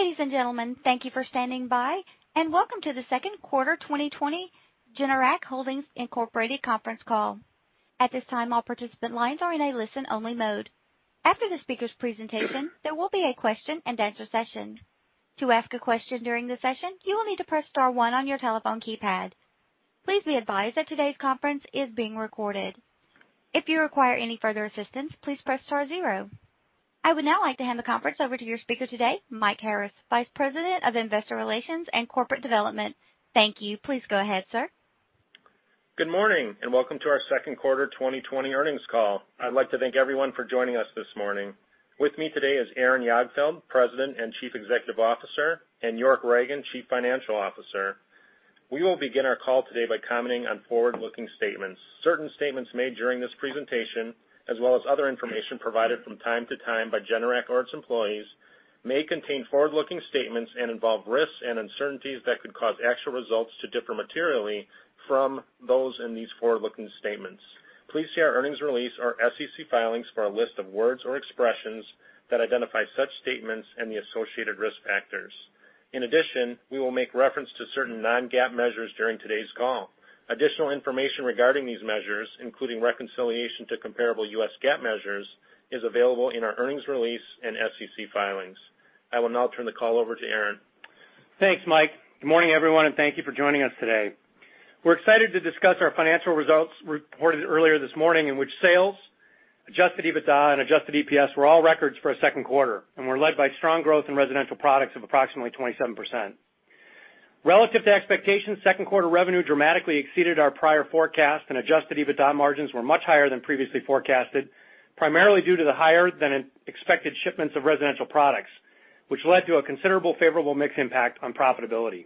Ladies and gentlemen, thank you for standing by, and welcome to the second quarter 2020 Generac Holdings Incorporated conference call. At this time, all participant lines are in a listen-only mode. After the speaker's presentation, there will be a question-and-answer session. To ask a question during the session, you will need to press star 1 on your telephone keypad. Please be advised that today's conference is being recorded. If you require any further assistance, please press star 0. I would now like to hand the conference over to your speaker today, Mike Harris, Vice President of Investor Relations and Corporate Development. Thank you. Please go ahead, sir. Good morning, welcome to our second quarter 2020 earnings call. I'd like to thank everyone for joining us this morning. With me today is Aaron Jagdfeld, President and Chief Executive Officer, and York Ragen, Chief Financial Officer. We will begin our call today by commenting on forward-looking statements. Certain statements made during this presentation, as well as other information provided from time to time by Generac or its employees, may contain forward-looking statements and involve risks and uncertainties that could cause actual results to differ materially from those in these forward-looking statements. Please see our earnings release, our SEC filings for a list of words or expressions that identify such statements and the associated risk factors. We will make reference to certain non-GAAP measures during today's call. Additional information regarding these measures, including reconciliation to comparable US GAAP measures, is available in our earnings release and SEC filings. I will now turn the call over to Aaron. Thanks, Mike. Good morning, everyone, and thank you for joining us today. We're excited to discuss our financial results reported earlier this morning, in which sales, adjusted EBITDA, and adjusted EPS were all records for a second quarter and were led by strong growth in residential products of approximately 27%. Relative to expectations, second quarter revenue dramatically exceeded our prior forecast, and adjusted EBITDA margins were much higher than previously forecasted, primarily due to the higher than expected shipments of residential products, which led to a considerable favorable mix impact on profitability.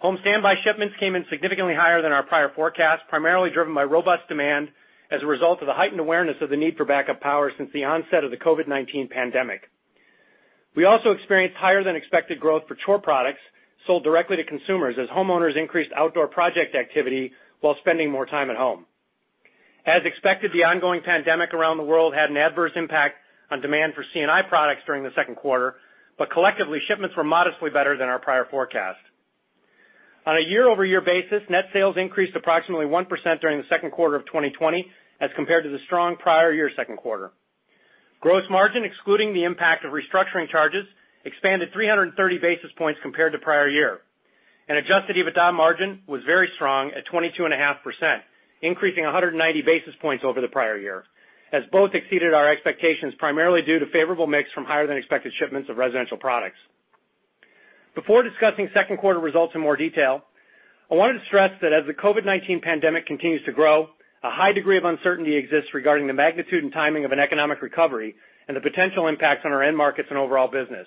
Home Standby shipments came in significantly higher than our prior forecast, primarily driven by robust demand as a result of the heightened awareness of the need for backup power since the onset of the COVID-19 pandemic. We also experienced higher than expected growth for core products sold directly to consumers as homeowners increased outdoor project activity while spending more time at home. As expected, the ongoing pandemic around the world had an adverse impact on demand for C&I products during the second quarter, but collectively, shipments were modestly better than our prior forecast. On a year-over-year basis, net sales increased approximately 1% during the second quarter of 2020 as compared to the strong prior year second quarter. Gross margin, excluding the impact of restructuring charges, expanded 330 basis points compared to prior year. Adjusted EBITDA margin was very strong at 22.5%, increasing 190 basis points over the prior year, as both exceeded our expectations primarily due to favorable mix from higher-than-expected shipments of residential products. Before discussing second quarter results in more detail, I wanted to stress that as the COVID-19 pandemic continues to grow, a high degree of uncertainty exists regarding the magnitude and timing of an economic recovery and the potential impacts on our end markets and overall business.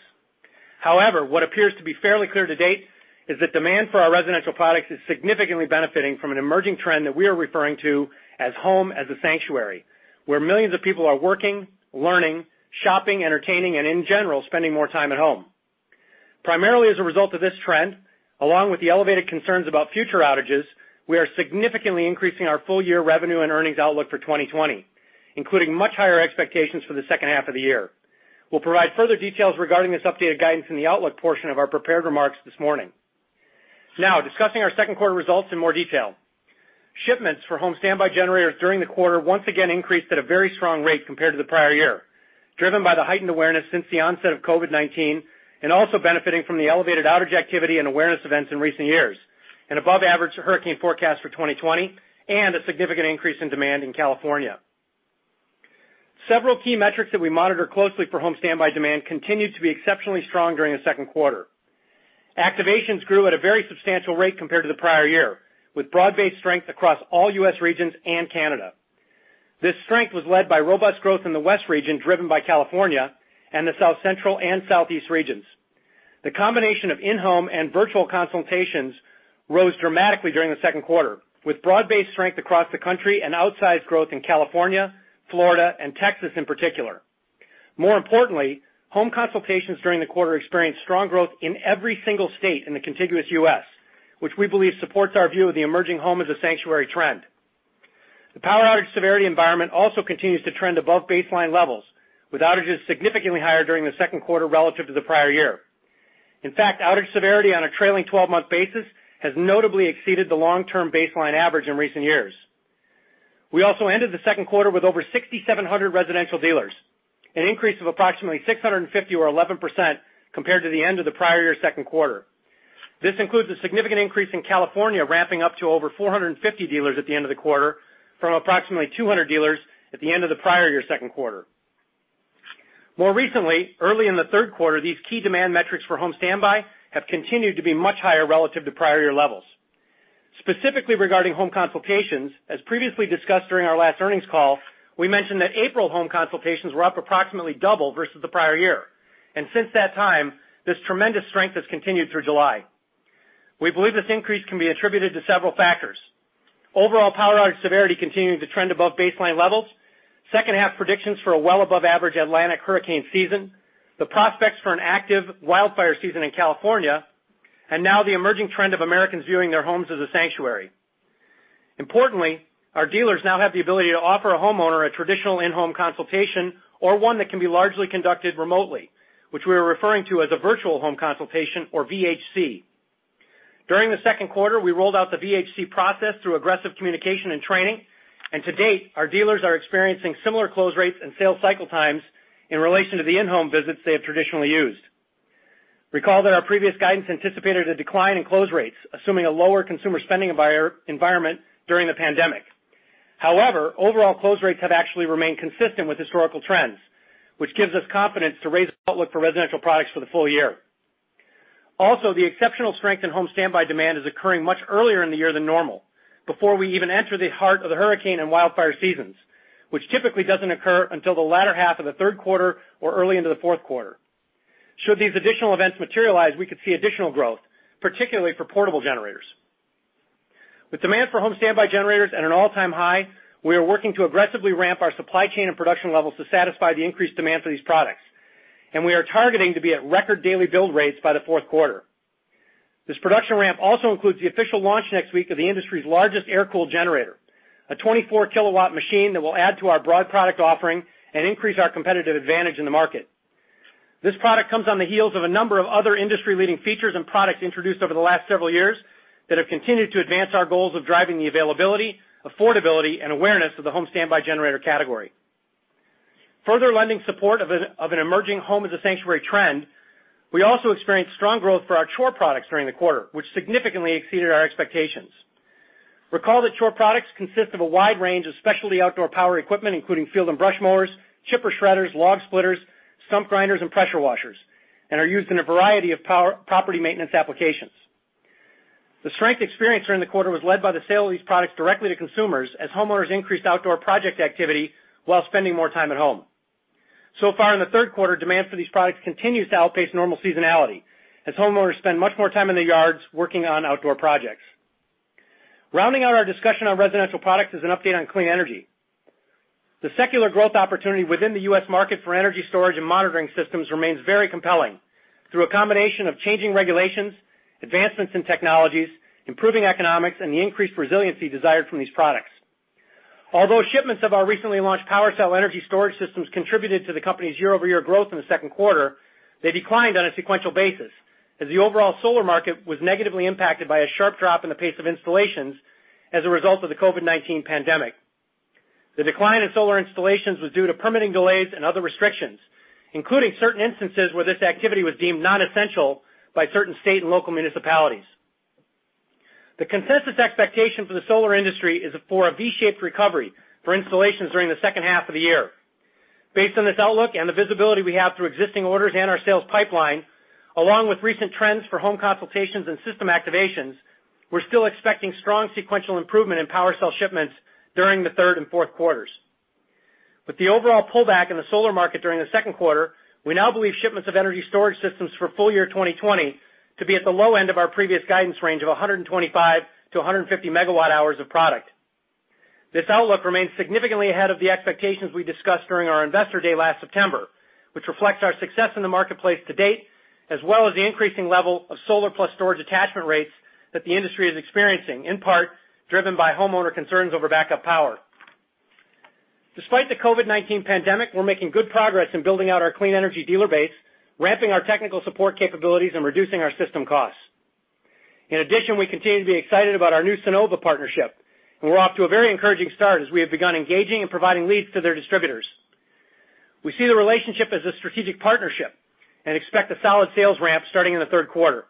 However, what appears to be fairly clear to date is that demand for our residential products is significantly benefiting from an emerging trend that we are referring to as Home as a Sanctuary, where millions of people are working, learning, shopping, entertaining, and in general, spending more time at home. Primarily as a result of this trend, along with the elevated concerns about future outages, we are significantly increasing our full-year revenue and earnings outlook for 2020, including much higher expectations for the second half of the year. We'll provide further details regarding this updated guidance in the outlook portion of our prepared remarks this morning. Discussing our second quarter results in more detail. Shipments for Home Standby generators during the quarter once again increased at a very strong rate compared to the prior year, driven by the heightened awareness since the onset of COVID-19 and also benefiting from the elevated outage activity and awareness events in recent years, an above-average hurricane forecast for 2020, and a significant increase in demand in California. Several key metrics that we monitor closely for Home Standby demand continued to be exceptionally strong during the second quarter. Activations grew at a very substantial rate compared to the prior year, with broad-based strength across all U.S. regions and Canada. This strength was led by robust growth in the West region, driven by California and the South Central and Southeast regions. The combination of in-Home and virtual consultations rose dramatically during the second quarter, with broad-based strength across the country and outsized growth in California, Florida, and Texas in particular. More importantly, Home consultations during the quarter experienced strong growth in every single state in the contiguous U.S., which we believe supports our view of the emerging Home as a Sanctuary trend. The power outage severity environment also continues to trend above baseline levels, with outages significantly higher during the second quarter relative to the prior year. In fact, outage severity on a trailing 12-month basis has notably exceeded the long-term baseline average in recent years. We also ended the second quarter with over 6,700 residential dealers, an increase of approximately 650 or 11% compared to the end of the prior year second quarter. This includes a significant increase in California, ramping up to over 450 dealers at the end of the quarter from approximately 200 dealers at the end of the prior year second quarter. More recently, early in the third quarter, these key demand metrics for Home Standby have continued to be much higher relative to prior year levels. Specifically regarding home consultations, as previously discussed during our last earnings call, we mentioned that April home consultations were up approximately double versus the prior year. Since that time, this tremendous strength has continued through July. We believe this increase can be attributed to several factors. Overall power outage severity continuing to trend above baseline levels, second half predictions for a well above average Atlantic hurricane season, the prospects for an active wildfire season in California, and now the emerging trend of Americans viewing their Home as a Sanctuary. Importantly, our dealers now have the ability to offer a homeowner a traditional In-Home Consultation or one that can be largely conducted remotely, which we are referring to as a Virtual Home Consultation or VHC. During the second quarter, we rolled out the VHC process through aggressive communication and training. To date, our dealers are experiencing similar close rates and sales cycle times in relation to the in-home visits they have traditionally used. Recall that our previous guidance anticipated a decline in close rates, assuming a lower consumer spending environment during the pandemic. However, overall close rates have actually remained consistent with historical trends, which gives us confidence to raise outlook for residential products for the full-year. Also, the exceptional strength in Home Standby demand is occurring much earlier in the year than normal, before we even enter the heart of the hurricane and wildfire seasons, which typically doesn't occur until the latter half of the third quarter or early into the fourth quarter. Should these additional events materialize, we could see additional growth, particularly for portable generators. With demand for Home Standby generators at an all-time high, we are working to aggressively ramp our supply chain and production levels to satisfy the increased demand for these products. We are targeting to be at record daily build rates by the fourth quarter. This production ramp also includes the official launch next week of the industry's largest air-cooled generator, a 24-kW machine that will add to our broad product offering and increase our competitive advantage in the market. This product comes on the heels of a number of other industry-leading features and products introduced over the last several years that have continued to advance our goals of driving the availability, affordability, and awareness of the Home Standby generator category. Further lending support of an emerging Home as a Sanctuary trend, we also experienced strong growth for our chore products during the quarter, which significantly exceeded our expectations. Recall that chore products consist of a wide range of specialty outdoor power equipment, including field and brush mowers, chipper shredders, log splitters, stump grinders, and pressure washers, and are used in a variety of property maintenance applications. The strength experienced during the quarter was led by the sale of these products directly to consumers as homeowners increased outdoor project activity while spending more time at home. So far in the third quarter, demand for these products continues to outpace normal seasonality as homeowners spend much more time in their yards working on outdoor projects. Rounding out our discussion on residential products is an update on clean energy. The secular growth opportunity within the U.S. market for energy storage and monitoring systems remains very compelling through a combination of changing regulations, advancements in technologies, improving economics, and the increased resiliency desired from these products. Although shipments of our recently launched PWRcell energy storage systems contributed to the company's year-over-year growth in the second quarter, they declined on a sequential basis as the overall solar market was negatively impacted by a sharp drop in the pace of installations as a result of the COVID-19 pandemic. The decline in solar installations was due to permitting delays and other restrictions, including certain instances where this activity was deemed non-essential by certain state and local municipalities. The consensus expectation for the solar industry is for a V-shaped recovery for installations during the second half of the year. Based on this outlook and the visibility we have through existing orders and our sales pipeline, along with recent trends for home consultations and system activations, we're still expecting strong sequential improvement in PWRcell shipments during the third and fourth quarters. With the overall pullback in the solar market during the second quarter, we now believe shipments of energy storage systems for full-year 2020 to be at the low end of our previous guidance range of 125-150 MWh of product. This outlook remains significantly ahead of the expectations we discussed during our investor day last September, which reflects our success in the marketplace to date, as well as the increasing level of solar plus storage attachment rates that the industry is experiencing, in part driven by homeowner concerns over backup power. Despite the COVID-19 pandemic, we're making good progress in building out our clean energy dealer base, ramping our technical support capabilities, and reducing our system costs. In addition, we continue to be excited about our new Sunnova partnership, and we're off to a very encouraging start as we have begun engaging and providing leads to their distributors. We see the relationship as a strategic partnership and expect a solid sales ramp starting in the third quarter.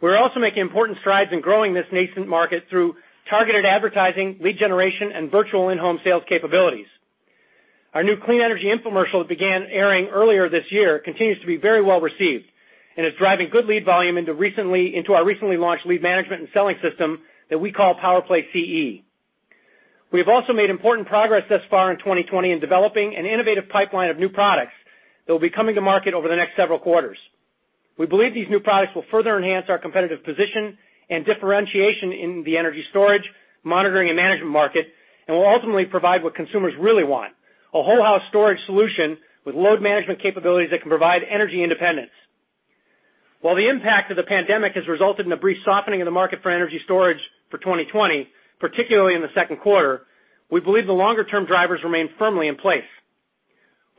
We're also making important strides in growing this nascent market through targeted advertising, lead generation, and virtual in-home sales capabilities. Our new clean energy infomercial that began airing earlier this year continues to be very well-received and is driving good lead volume into our recently launched lead management and selling system that we call PowerPlay CE. We have also made important progress thus far in 2020 in developing an innovative pipeline of new products that will be coming to market over the next several quarters. We believe these new products will further enhance our competitive position and differentiation in the energy storage, monitoring, and management market and will ultimately provide what consumers really want, a whole house storage solution with load management capabilities that can provide energy independence. While the impact of the pandemic has resulted in a brief softening of the market for energy storage for 2020, particularly in the second quarter, we believe the longer-term drivers remain firmly in place.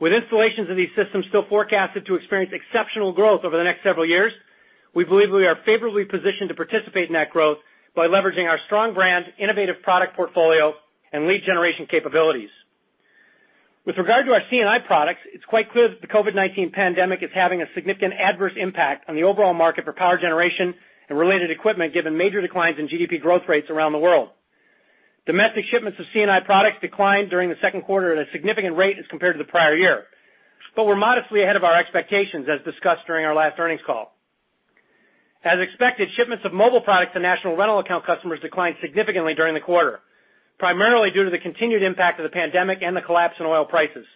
With installations of these systems still forecasted to experience exceptional growth over the next several years, we believe we are favorably positioned to participate in that growth by leveraging our strong brand, innovative product portfolio, and lead generation capabilities. With regard to our C&I products, it's quite clear that the COVID-19 pandemic is having a significant adverse impact on the overall market for power generation and related equipment, given major declines in GDP growth rates around the world. Domestic shipments of C&I products declined during the second quarter at a significant rate as compared to the prior year, but were modestly ahead of our expectations, as discussed during our last earnings call. As expected, shipments of mobile products to national rental account customers declined significantly during the quarter, primarily due to the continued impact of the pandemic and the collapse in oil prices.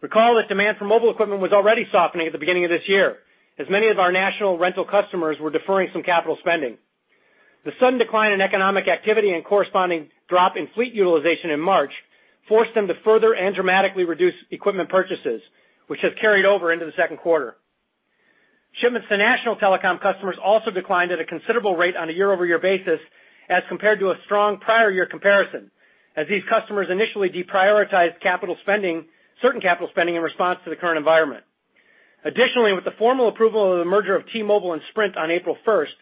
Recall that demand for mobile equipment was already softening at the beginning of this year, as many of our national rental customers were deferring some capital spending. The sudden decline in economic activity and corresponding drop in fleet utilization in March forced them to further and dramatically reduce equipment purchases, which has carried over into the second quarter. Shipments to national telecom customers also declined at a considerable rate on a year-over-year basis as compared to a strong prior year comparison, as these customers initially deprioritized certain capital spending in response to the current environment. Additionally, with the formal approval of the merger of T-Mobile and Sprint on April 1st,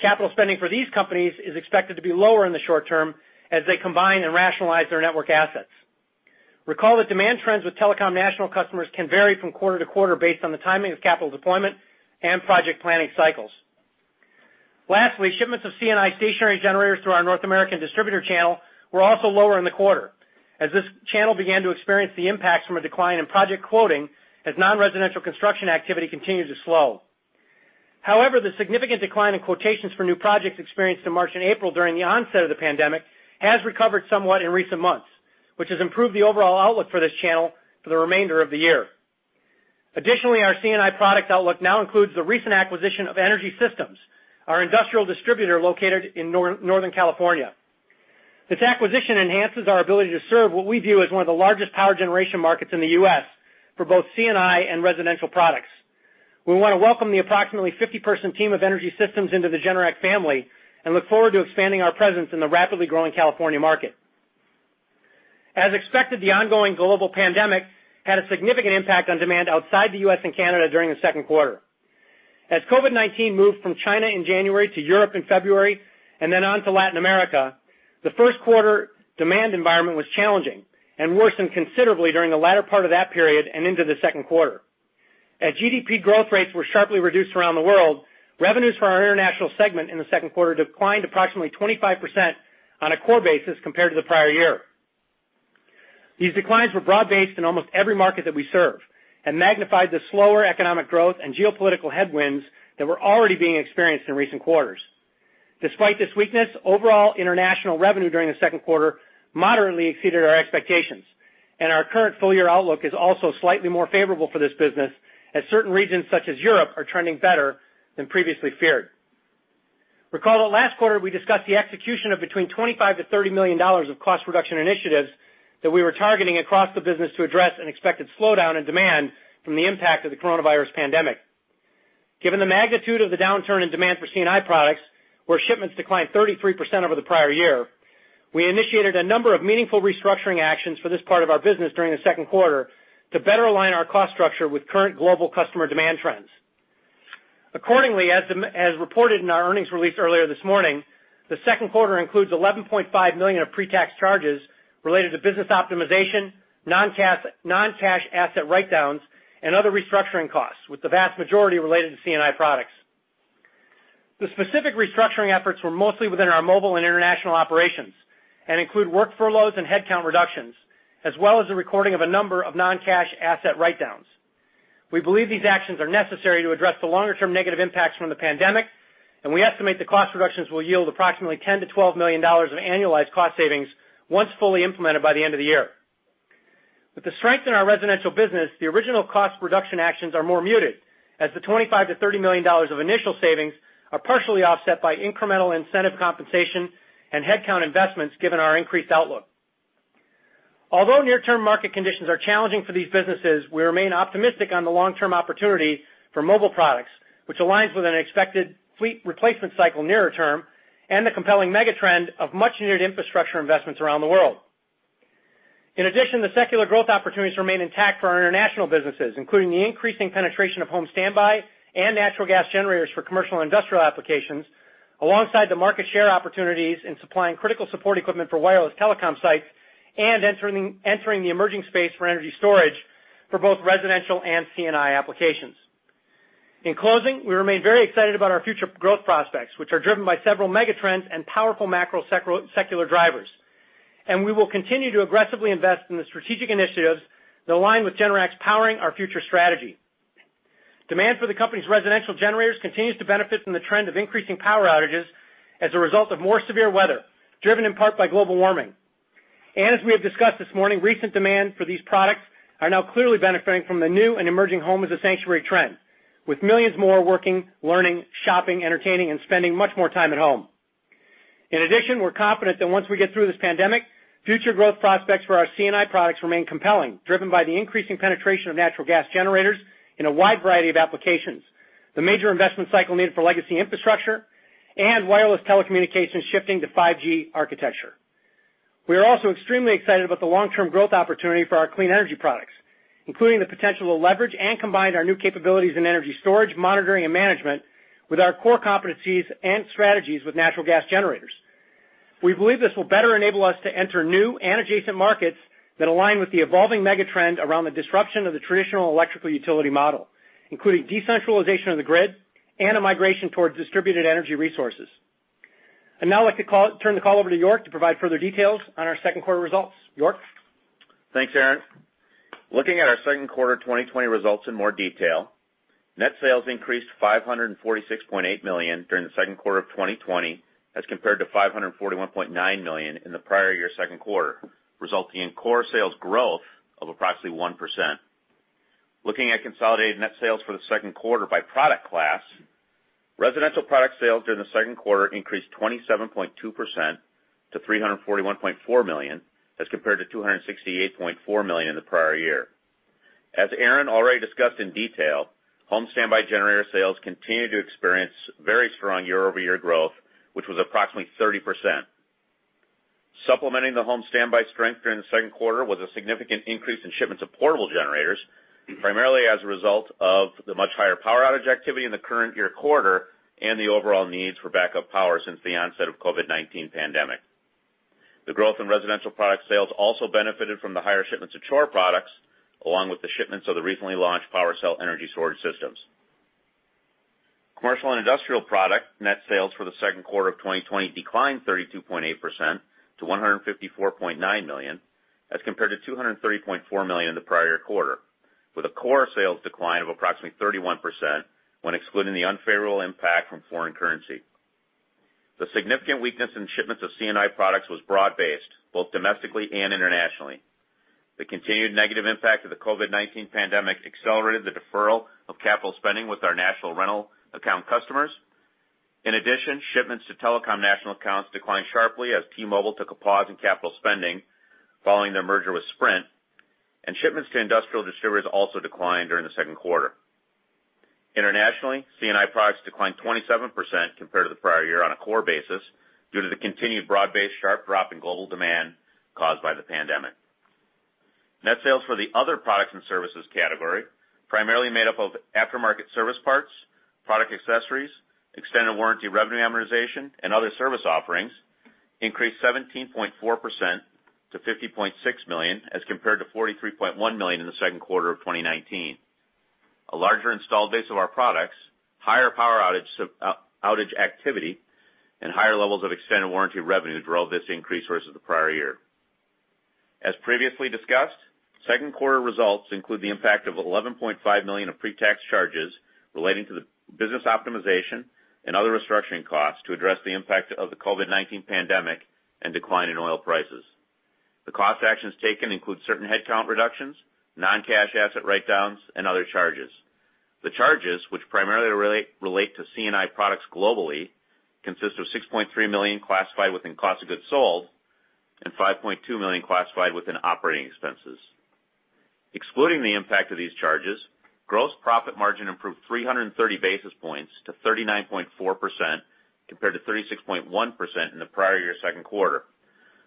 capital spending for these companies is expected to be lower in the short-term as they combine and rationalize their network assets. Recall that demand trends with telecom national customers can vary from quarter to quarter based on the timing of capital deployment and project planning cycles. Lastly, shipments of C&I stationary generators through our North American distributor channel were also lower in the quarter, as this channel began to experience the impacts from a decline in project quoting as non-residential construction activity continues to slow. However, the significant decline in quotations for new projects experienced in March and April during the onset of the pandemic has recovered somewhat in recent months, which has improved the overall outlook for this channel for the remainder of the year. Additionally, our C&I product outlook now includes the recent acquisition of Energy Systems, our industrial distributor located in Northern California. This acquisition enhances our ability to serve what we view as one of the largest power generation markets in the U.S. for both C&I and residential products. We want to welcome the approximately 50-person team of Energy Systems into the Generac family and look forward to expanding our presence in the rapidly growing California market. As expected, the ongoing global pandemic had a significant impact on demand outside the U.S. and Canada during the second quarter. As COVID-19 moved from China in January to Europe in February, and then on to Latin America, the first quarter demand environment was challenging and worsened considerably during the latter part of that period and into the second quarter. As GDP growth rates were sharply reduced around the world, revenues for our international segment in the second quarter declined approximately 25% on a core basis compared to the prior year. These declines were broad-based in almost every market that we serve and magnified the slower economic growth and geopolitical headwinds that were already being experienced in recent quarters. Despite this weakness, overall international revenue during the second quarter moderately exceeded our expectations, and our current full-year outlook is also slightly more favorable for this business, as certain regions such as Europe are trending better than previously feared. Recall that last quarter we discussed the execution of between $25 million-$30 million of cost reduction initiatives that we were targeting across the business to address an expected slowdown in demand from the impact of the COVID-19 pandemic. Given the magnitude of the downturn in demand for C&I products, where shipments declined 33% over the prior year, we initiated a number of meaningful restructuring actions for this part of our business during the second quarter to better align our cost structure with current global customer demand trends. Accordingly, as reported in our earnings release earlier this morning, the second quarter includes $11.5 million of pre-tax charges related to business optimization, non-cash asset write-downs, and other restructuring costs, with the vast majority related to C&I products. The specific restructuring efforts were mostly within our mobile and international operations and include work furloughs and headcount reductions, as well as the recording of a number of non-cash asset write-downs. We believe these actions are necessary to address the longer-term negative impacts from the pandemic, and we estimate the cost reductions will yield approximately $10 million-$12 million of annualized cost savings once fully implemented by the end of the year. With the strength in our residential business, the original cost reduction actions are more muted, as the $25 million-$30 million of initial savings are partially offset by incremental incentive compensation and headcount investments given our increased outlook. Although near-term market conditions are challenging for these businesses, we remain optimistic on the long-term opportunity for mobile products, which aligns with an expected fleet replacement cycle nearer term and the compelling mega-trend of much-needed infrastructure investments around the world. In addition, the secular growth opportunities remain intact for our international businesses, including the increasing penetration of Home Standby and natural gas generators for commercial and industrial applications, alongside the market share opportunities in supplying critical support equipment for wireless telecom sites and entering the emerging space for energy storage for both residential and C&I applications. In closing, we remain very excited about our future growth prospects, which are driven by several mega trends and powerful macro secular drivers. We will continue to aggressively invest in the strategic initiatives that align with Generac's Powering Our Future strategy. Demand for the company's residential generators continues to benefit from the trend of increasing power outages as a result of more severe weather, driven in part by global warming. As we have discussed this morning, recent demand for these products are now clearly benefiting from the new and emerging Home as a Sanctuary trend, with millions more working, learning, shopping, entertaining, and spending much more time at home. In addition, we're confident that once we get through this pandemic, future growth prospects for our C&I products remain compelling, driven by the increasing penetration of natural gas generators in a wide variety of applications, the major investment cycle needed for legacy infrastructure, and wireless telecommunications shifting to 5G architecture. We are also extremely excited about the long-term growth opportunity for our clean energy products, including the potential to leverage and combine our new capabilities in energy storage, monitoring, and management with our core competencies and strategies with natural gas generators. We believe this will better enable us to enter new and adjacent markets that align with the evolving mega trend around the disruption of the traditional electrical utility model, including decentralization of the grid and a migration towards distributed energy resources. I'd now like to turn the call over to York to provide further details on our second quarter results. York? Thanks, Aaron. Looking at our second quarter 2020 results in more detail, net sales increased to $546.8 million during the second quarter of 2020 as compared to $541.9 million in the prior year second quarter, resulting in core sales growth of approximately 1%. Looking at consolidated net sales for the second quarter by product class. Residential product sales during the second quarter increased 27.2% to $341.4 million as compared to $268.4 million in the prior year. As Aaron already discussed in detail, Home Standby generator sales continue to experience very strong year-over-year growth, which was approximately 30%. Supplementing the Home Standby strength during the second quarter was a significant increase in shipments of portable generators, primarily as a result of the much higher power outage activity in the current year quarter and the overall needs for backup power since the onset of COVID-19 pandemic. The growth in residential product sales also benefited from the higher shipments of core products, along with the shipments of the recently launched PWRcell energy storage systems. Commercial and industrial product net sales for the second quarter of 2020 declined 32.8% to $154.9 million, as compared to $230.4 million in the prior quarter, with a core sales decline of approximately 31% when excluding the unfavorable impact from foreign currency. The significant weakness in shipments of C&I products was broad-based, both domestically and internationally. The continued negative impact of the COVID-19 pandemic accelerated the deferral of capital spending with our national rental account customers. In addition, shipments to telecom national accounts declined sharply as T-Mobile took a pause in capital spending following their merger with Sprint, and shipments to industrial distributors also declined during the second quarter. Internationally, C&I products declined 27% compared to the prior year on a core basis due to the continued broad-based sharp drop in global demand caused by the pandemic. Net sales for the other products and services category, primarily made up of aftermarket service parts, product accessories, extended warranty revenue amortization, and other service offerings, increased 17.4% to $50.6 million as compared to $43.1 million in the second quarter of 2019. A larger installed base of our products, higher power outage activity, and higher levels of extended warranty revenue drove this increase versus the prior year. As previously discussed, second quarter results include the impact of $11.5 million of pre-tax charges relating to the business optimization and other restructuring costs to address the impact of the COVID-19 pandemic and decline in oil prices. The cost actions taken include certain headcount reductions, non-cash asset write-downs, and other charges. The charges, which primarily relate to C&I products globally, consist of $6.3 million classified within cost of goods sold and $5.2 million classified within operating expenses. Excluding the impact of these charges, gross profit margin improved 330 basis points to 39.4% compared to 36.1% in the prior year second quarter,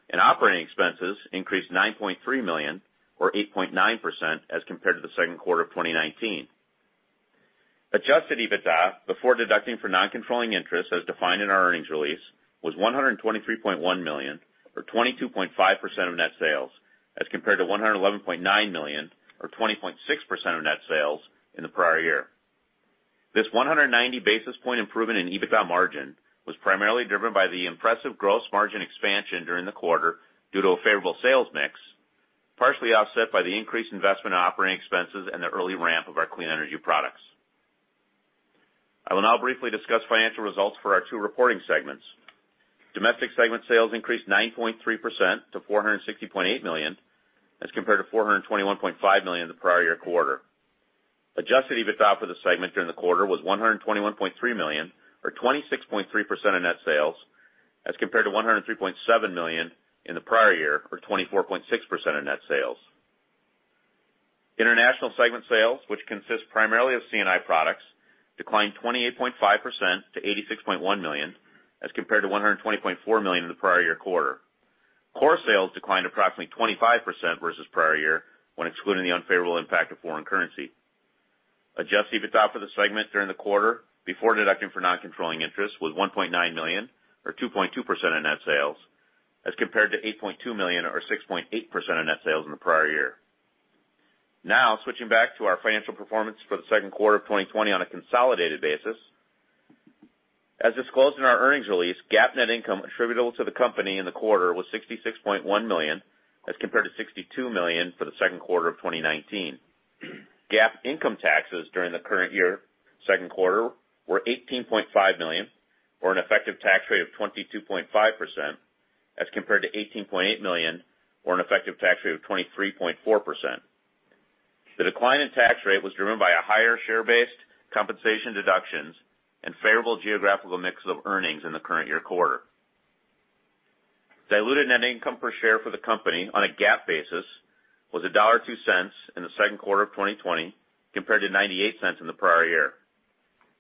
and operating expenses increased $9.3 million or 8.9% as compared to the second quarter of 2019. Adjusted EBITDA before deducting for non-controlling interest as defined in our earnings release, was $123.1 million or 22.5% of net sales as compared to $111.9 million or 20.6% of net sales in the prior year. This 190 basis point improvement in EBITDA margin was primarily driven by the impressive gross margin expansion during the quarter due to a favorable sales mix, partially offset by the increased investment in operating expenses and the early ramp of our clean energy products. I will now briefly discuss financial results for our two reporting segments. Domestic segment sales increased 9.3% to $460.8 million as compared to $421.5 million in the prior year quarter. Adjusted EBITDA for the segment during the quarter was $121.3 million or 26.3% of net sales as compared to $103.7 million in the prior year or 24.6% of net sales. International segment sales, which consist primarily of C&I products, declined 28.5% to $86.1 million as compared to $120.4 million in the prior year quarter. Core sales declined approximately 25% versus prior year when excluding the unfavorable impact of foreign currency. Adjusted EBITDA for the segment during the quarter before deducting for non-controlling interest was $1.9 million or 2.2% of net sales as compared to $8.2 million or 6.8% of net sales in the prior year. Switching back to our financial performance for the second quarter of 2020 on a consolidated basis. As disclosed in our earnings release, GAAP net income attributable to the company in the quarter was $66.1 million as compared to $62 million for the second quarter of 2019. GAAP income taxes during the current year second quarter were $18.5 million or an effective tax rate of 22.5% as compared to $18.8 million or an effective tax rate of 23.4%. The decline in tax rate was driven by higher share-based compensation deductions and favorable geographical mix of earnings in the current year quarter. Diluted net income per share for the company on a GAAP basis was $1.02 in the second quarter of 2020 compared to $0.98 in the prior year.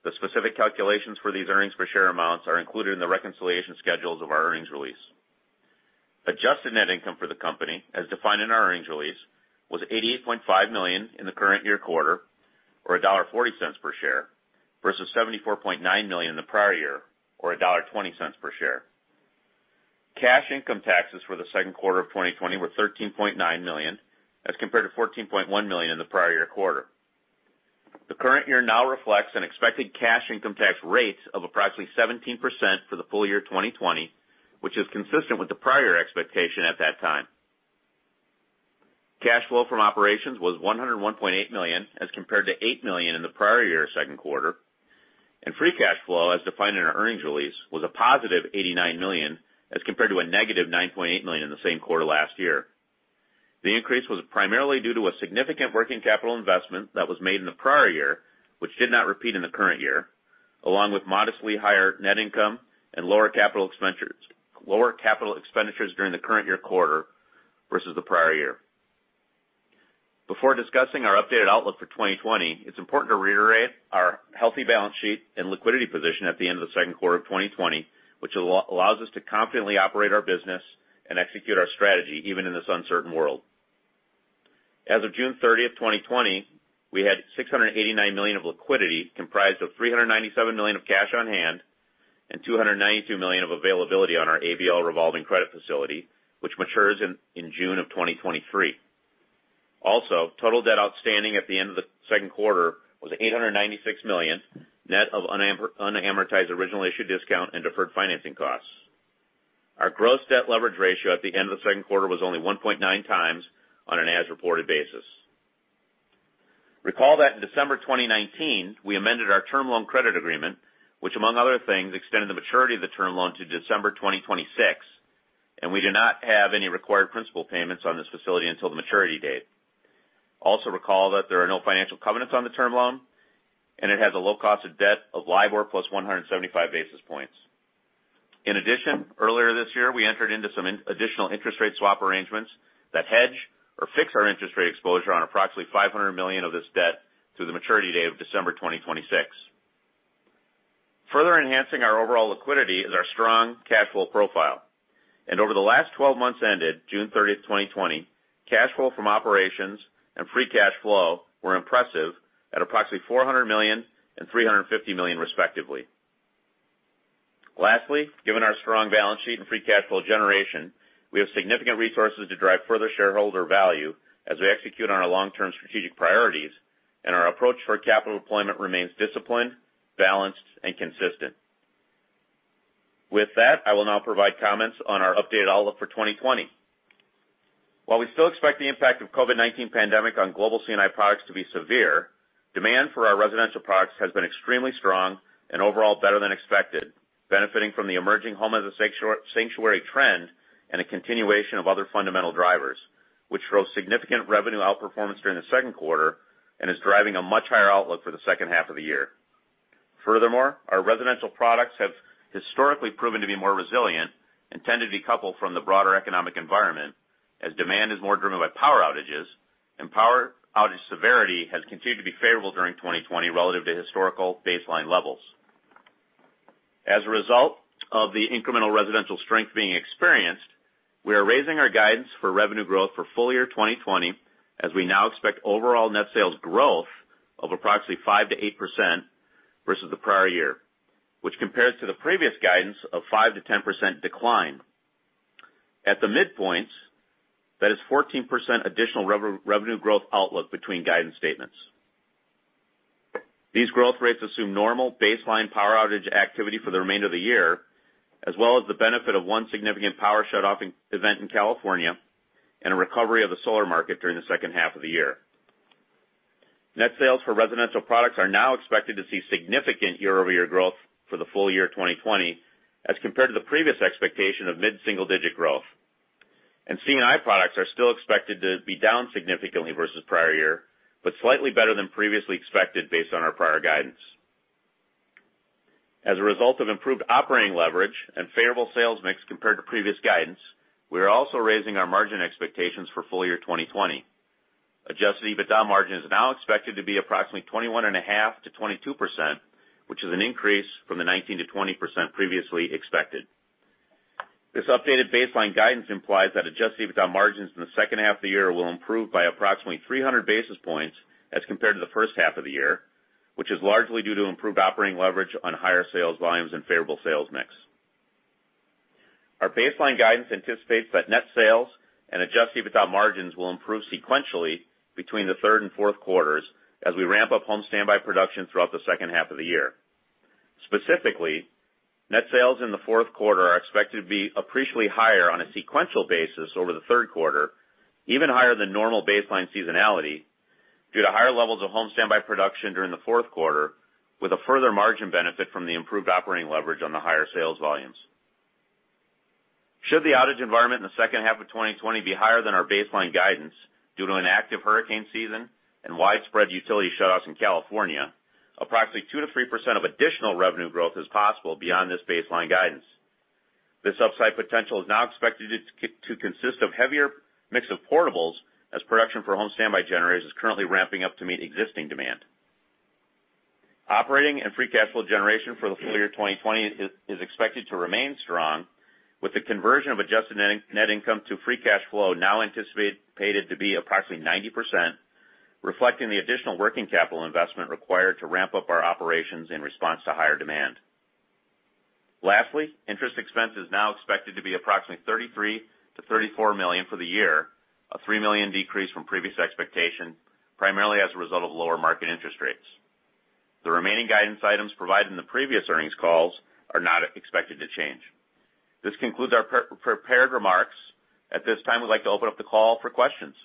The specific calculations for these earnings per share amounts are included in the reconciliation schedules of our earnings release. Adjusted net income for the company, as defined in our earnings release, was $88.5 million in the current year quarter or $1.40 per share versus $74.9 million in the prior year or $1.20 per share. Cash income taxes for the second quarter of 2020 were $13.9 million as compared to $14.1 million in the prior year quarter. The current year now reflects an expected cash income tax rate of approximately 17% for the full-year 2020, which is consistent with the prior expectation at that time. Cash flow from operations was $101.8 million as compared to $8 million in the prior year second quarter, and free cash flow, as defined in our earnings release, was a positive $89 million as compared to a -$9.8 million in the same quarter last year. The increase was primarily due to a significant working capital investment that was made in the prior year, which did not repeat in the current year, along with modestly higher net income and lower capital expenditures during the current year quarter versus the prior year. Before discussing our updated outlook for 2020, it's important to reiterate our healthy balance sheet and liquidity position at the end of the second quarter of 2020, which allows us to confidently operate our business and execute our strategy, even in this uncertain world. As of June 30th, 2020, we had $689 million of liquidity, comprised of $397 million of cash on hand and $292 million of availability on our ABL revolving credit facility, which matures in June of 2023. Total debt outstanding at the end of the second quarter was $896 million, net of unamortized original issue discount and deferred financing costs. Our gross debt leverage ratio at the end of the second quarter was only 1.9x on an as-reported basis. Recall that in December 2019, we amended our term loan credit agreement, which among other things, extended the maturity of the term loan to December 2026, and we do not have any required principal payments on this facility until the maturity date. Recall that there are no financial covenants on the term loan, and it has a low cost of debt of LIBOR plus 175 basis points. Earlier this year, we entered into some additional interest rate swap arrangements that hedge or fix our interest rate exposure on approximately $500 million of this debt through the maturity date of December 2026. Further enhancing our overall liquidity is our strong cash flow profile. Over the last 12 months ended June 30th, 2020, cash flow from operations and free cash flow were impressive at approximately $400 million and $350 million respectively. Given our strong balance sheet and free cash flow generation, we have significant resources to drive further shareholder value as we execute on our long-term strategic priorities and our approach for capital deployment remains disciplined, balanced, and consistent. With that, I will now provide comments on our updated outlook for 2020. While we still expect the impact of COVID-19 pandemic on global C&I products to be severe, demand for our residential products has been extremely strong and overall better than expected, benefiting from the emerging Home as a Sanctuary trend and a continuation of other fundamental drivers, which drove significant revenue outperformance during the second quarter and is driving a much higher outlook for the second half of the year. Furthermore, our residential products have historically proven to be more resilient and tend to decouple from the broader economic environment as demand is more driven by power outages and power outage severity has continued to be favorable during 2020 relative to historical baseline levels. As a result of the incremental residential strength being experienced, we are raising our guidance for revenue growth for full-year 2020 as we now expect overall net sales growth of approximately 5%-8% versus the prior year, which compares to the previous guidance of 5%-10% decline. At the midpoints, that is 14% additional revenue growth outlook between guidance statements. These growth rates assume normal baseline power outage activity for the remainder of the year, as well as the benefit of one significant power shutoff event in California and a recovery of the solar market during the second half of the year. Net sales for residential products are now expected to see significant year-over-year growth for the full-year 2020 as compared to the previous expectation of mid-single-digit growth. C&I products are still expected to be down significantly versus prior year, but slightly better than previously expected based on our prior guidance. As a result of improved operating leverage and favorable sales mix compared to previous guidance, we are also raising our margin expectations for full-year 2020. Adjusted EBITDA margin is now expected to be approximately 21.5%-22%, which is an increase from the 19%-20% previously expected. This updated baseline guidance implies that adjusted EBITDA margins in the second half of the year will improve by approximately 300 basis points as compared to the first half of the year, which is largely due to improved operating leverage on higher sales volumes and favorable sales mix. Our baseline guidance anticipates that net sales and adjusted EBITDA margins will improve sequentially between the third and fourth quarters as we ramp up Home Standby production throughout the second half of the year. Specifically, net sales in the fourth quarter are expected to be appreciably higher on a sequential basis over the third quarter, even higher than normal baseline seasonality, due to higher levels of Home Standby production during the fourth quarter with a further margin benefit from the improved operating leverage on the higher sales volumes. Should the outage environment in the second half of 2020 be higher than our baseline guidance due to an active hurricane season and widespread utility shutoffs in California, approximately 2%-3% of additional revenue growth is possible beyond this baseline guidance. This upside potential is now expected to consist of heavier mix of portables as production for Home Standby generators is currently ramping up to meet existing demand. Operating and free cash flow generation for the full-year 2020 is expected to remain strong with the conversion of adjusted net income to free cash flow now anticipated to be approximately 90%, reflecting the additional working capital investment required to ramp up our operations in response to higher demand. Lastly, interest expense is now expected to be approximately $33 million-$34 million for the year, a $3 million decrease from previous expectation, primarily as a result of lower market interest rates. The remaining guidance items provided in the previous earnings calls are not expected to change. This concludes our prepared remarks. At this time, we'd like to open up the call for questions.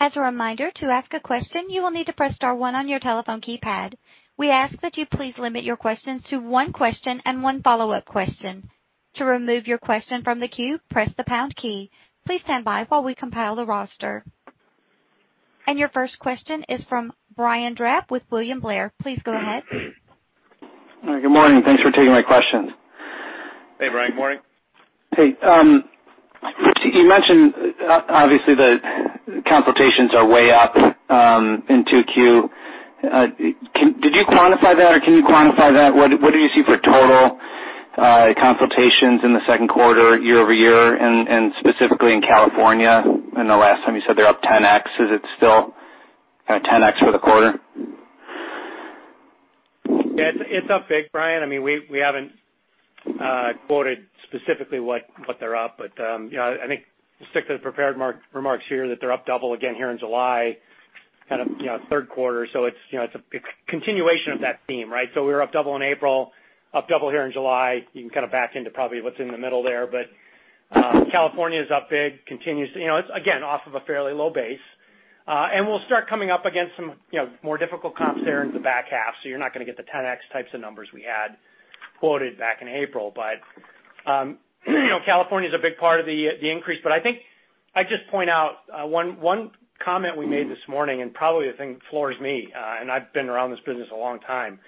As a reminder, to ask a question, you will need to press star one on your telephone keypad. We ask that you please limit your questions to one question and one follow-up question. To remove your question from the queue, press the pound key. Please stand by while we compile the roster. Your first question is from Brian Drab with William Blair. Please go ahead. Good morning. Thanks for taking my questions. Hey, Brian. Good morning. Hey. You mentioned, obviously, the consultations are way up in 2Q. Did you quantify that or can you quantify that? What do you see for total consultations in the second quarter, year-over-year, and specifically in California? The last time you said they're up 10x, is it still 10x for the quarter? Yeah, it's up big, Brian. We haven't quoted specifically what they're up, I think stick to the prepared remarks here, that they're up double again here in July, third quarter. It's a continuation of that theme, right? We were up double in April, up double here in July. You can back into probably what's in the middle there. California is up big. It's, again, off of a fairly low base. We'll start coming up against some more difficult comps there in the back half. You're not going to get the 10x types of numbers we had quoted back in April. California's a big part of the increase. I think I'd just point out one comment we made this morning, and probably the thing that floors me, and I've been around this business a long time.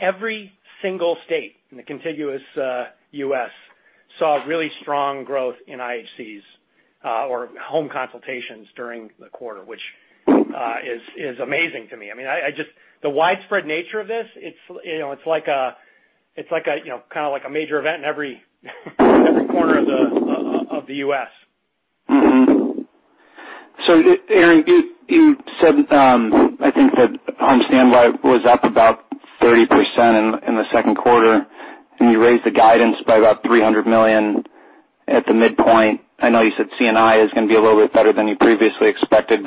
Every single state in the contiguous U.S. saw really strong growth in IHCs or home consultations during the quarter, which is amazing to me. The widespread nature of this, it's like a major event in every corner of the U.S. Aaron, you said, I think that Home Standby was up about 30% in the second quarter, and you raised the guidance by about $300 million at the midpoint. I know you said C&I is going to be a little bit better than you previously expected,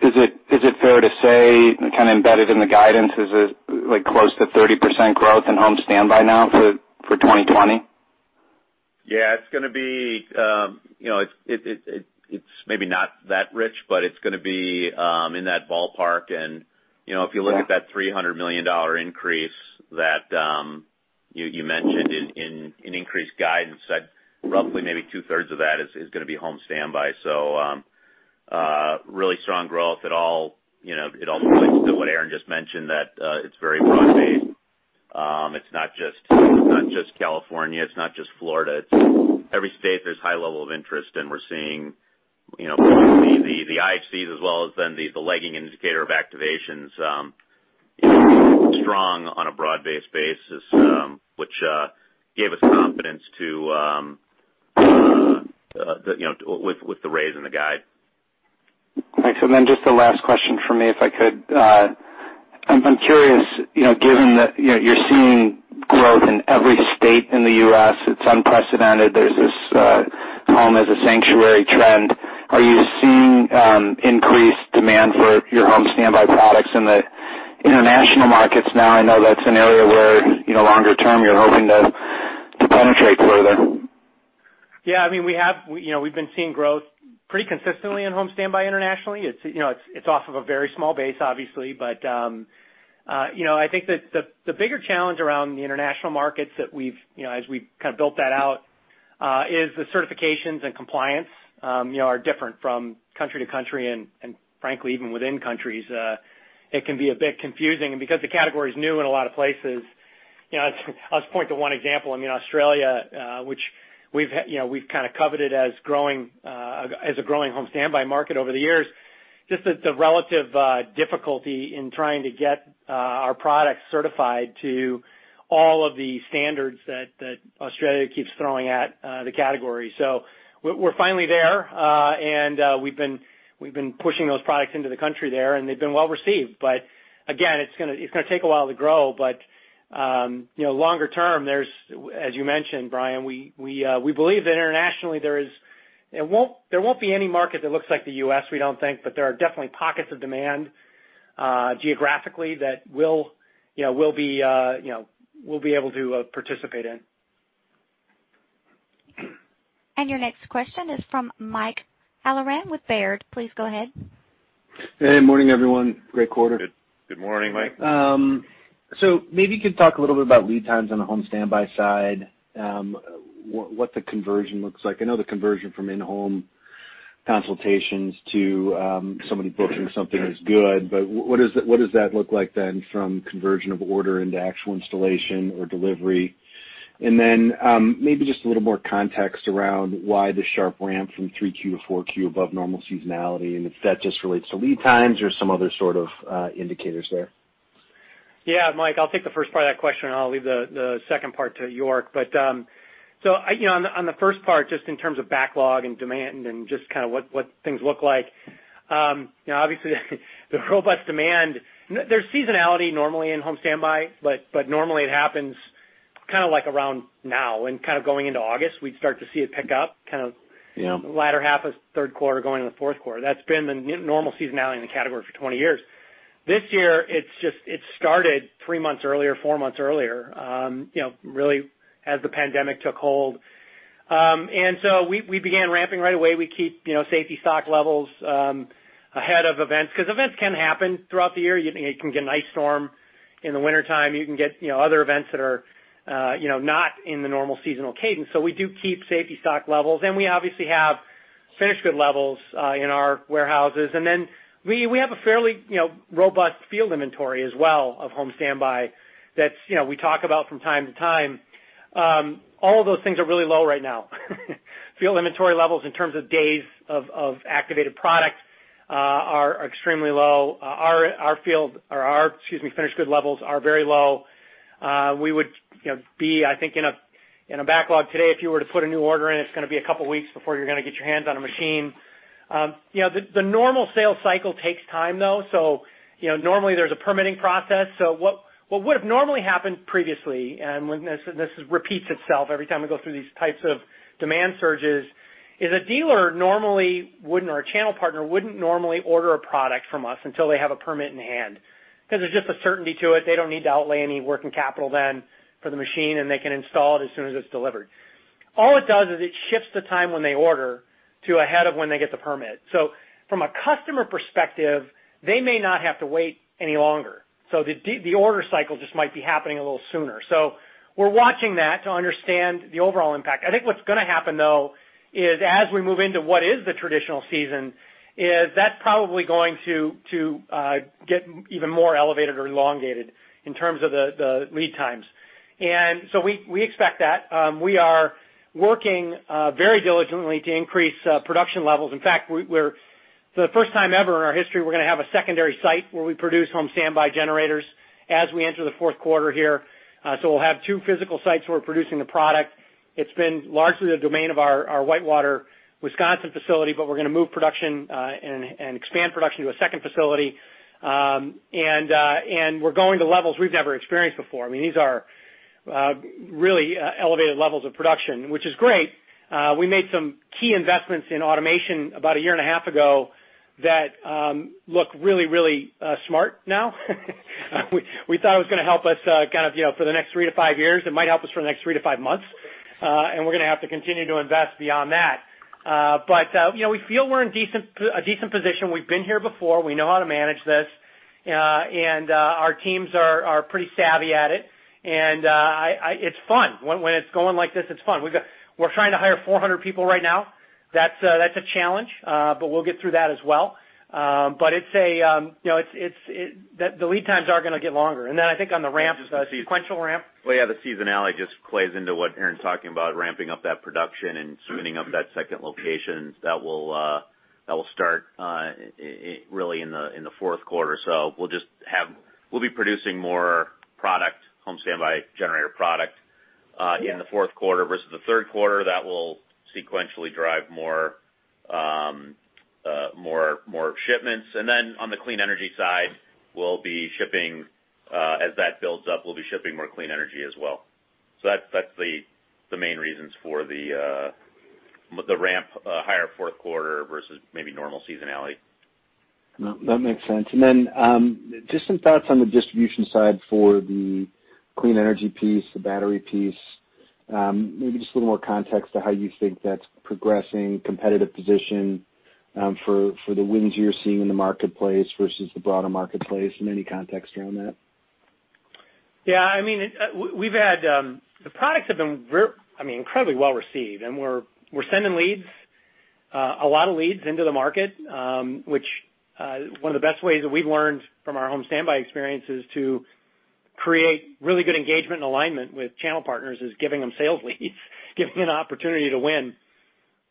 is it fair to say, embedded in the guidance, is it close to 30% growth in Home Standby now for 2020? Yeah, it's maybe not that rich, but it's going to be in that ballpark. If you look at that $300 million increase that you mentioned in increased guidance, roughly maybe 2/3 of that is going to be Home Standby. Really strong growth. It all points to what Aaron just mentioned, that it's very broad-based. It's not just California, it's not just Florida. Every state, there's high level of interest, and we're seeing the IHCs as well as then the lagging indicator of activations strong on a broad-based basis, which gave us confidence with the raise in the guide. Thanks. Just the last question from me, if I could. I'm curious, given that you're seeing growth in every state in the U.S., it's unprecedented. There's this Home as a Sanctuary trend. Are you seeing increased demand for your Home Standby products in the international markets now? I know that's an area where longer term you're hoping to penetrate further. Yeah, we've been seeing growth pretty consistently in Home Standby internationally. It's off of a very small base, obviously. I think that the bigger challenge around the international markets as we've built that out is the certifications and compliance are different from country to country, and frankly, even within countries. It can be a bit confusing. Because the category is new in a lot of places, I'll just point to one example. Australia, which we've coveted as a growing Home Standby market over the years, just the relative difficulty in trying to get our products certified to all of the standards that Australia keeps throwing at the category. We're finally there, and we've been pushing those products into the country there, and they've been well received. Again, it's going to take a while to grow. Longer term, as you mentioned, Brian, we believe that internationally, there won't be any market that looks like the U.S., we don't think, but there are definitely pockets of demand geographically that we'll be able to participate in. Your next question is from Mike Halloran with Baird. Please go ahead. Hey, morning, everyone. Great quarter. Good morning, Mike. Maybe you could talk a little bit about lead times on the Home Standby side, what the conversion looks like. I know the conversion from In-Home Consultations to somebody booking something is good, but what does that look like then from conversion of order into actual installation or delivery? Then maybe just a little more context around why the sharp ramp from 3Q to 4Q above normal seasonality, and if that just relates to lead times or some other sort of indicators there. Mike, I'll take the first part of that question, and I'll leave the second part to York. On the first part, just in terms of backlog and demand and just what things look like. Obviously, the robust demand, there's seasonality normally in Home Standby, but normally it happens around now, and going into August, we'd start to see it pick up, latter half of third quarter going into fourth quarter. That's been the normal seasonality in the category for 20 years. This year, it started three months earlier, four months earlier, really as the pandemic took hold. So we began ramping right away. We keep safety stock levels ahead of events because events can happen throughout the year. You can get an ice storm in the wintertime. You can get other events that are not in the normal seasonal cadence. We do keep safety stock levels, and we obviously have finished good levels in our warehouses. We have a fairly robust field inventory as well of Home Standby that we talk about from time to time. All of those things are really low right now. Field inventory levels in terms of days of activated product are extremely low. Our finished good levels are very low. We would be, I think, in a backlog today, if you were to put a new order in, it's going to be a couple of weeks before you're going to get your hands on a machine. The normal sales cycle takes time, though. Normally there's a permitting process. What would've normally happened previously, and this repeats itself every time we go through these types of demand surges, is a dealer normally wouldn't, or a channel partner wouldn't normally order a product from us until they have a permit in hand because there's just a certainty to it. They don't need to outlay any working capital then for the machine, and they can install it as soon as it's delivered. All it does is it shifts the time when they order to ahead of when they get the permit. From a customer perspective, they may not have to wait any longer. The order cycle just might be happening a little sooner. We're watching that to understand the overall impact. I think what's going to happen, though, is as we move into what is the traditional season, is that's probably going to get even more elevated or elongated in terms of the lead times. We expect that. We are working very diligently to increase production levels. In fact, for the first time ever in our history, we're going to have a secondary site where we produce Home Standby generators as we enter the fourth quarter here. We'll have two physical sites where we're producing the product. It's been largely the domain of our Whitewater, Wisconsin facility, but we're going to move production and expand production to a second facility. We're going to levels we've never experienced before. These are really elevated levels of production, which is great. We made some key investments in automation about a year and a half ago that look really smart now. We thought it was going to help us for the next three to five years. It might help us for the next three to five months, and we're going to have to continue to invest beyond that. We feel we're in a decent position. We've been here before. We know how to manage this, and our teams are pretty savvy at it. It's fun. When it's going like this, it's fun. We're trying to hire 400 people right now. That's a challenge. We'll get through that as well. The lead times are going to get longer. I think on the ramp. Well, yeah, the seasonality just plays into what Aaron's talking about, ramping up that production and spinning up that second location that will start really in the fourth quarter. We'll be producing more Home Standby generator product in the fourth quarter versus the third quarter. That will sequentially drive more shipments. On the clean energy side, as that builds up, we'll be shipping more clean energy as well. That's the main reasons for the ramp higher fourth quarter versus maybe normal seasonality. That makes sense. Just some thoughts on the distribution side for the clean energy piece, the battery piece. Maybe just a little more context to how you think that's progressing competitive position for the wins you're seeing in the marketplace versus the broader marketplace and any context around that. Yeah. The products have been incredibly well-received. We're sending a lot of leads into the market, which one of the best ways that we've learned from our Home Standby experience is to create really good engagement and alignment with channel partners is giving them sales leads, giving an opportunity to win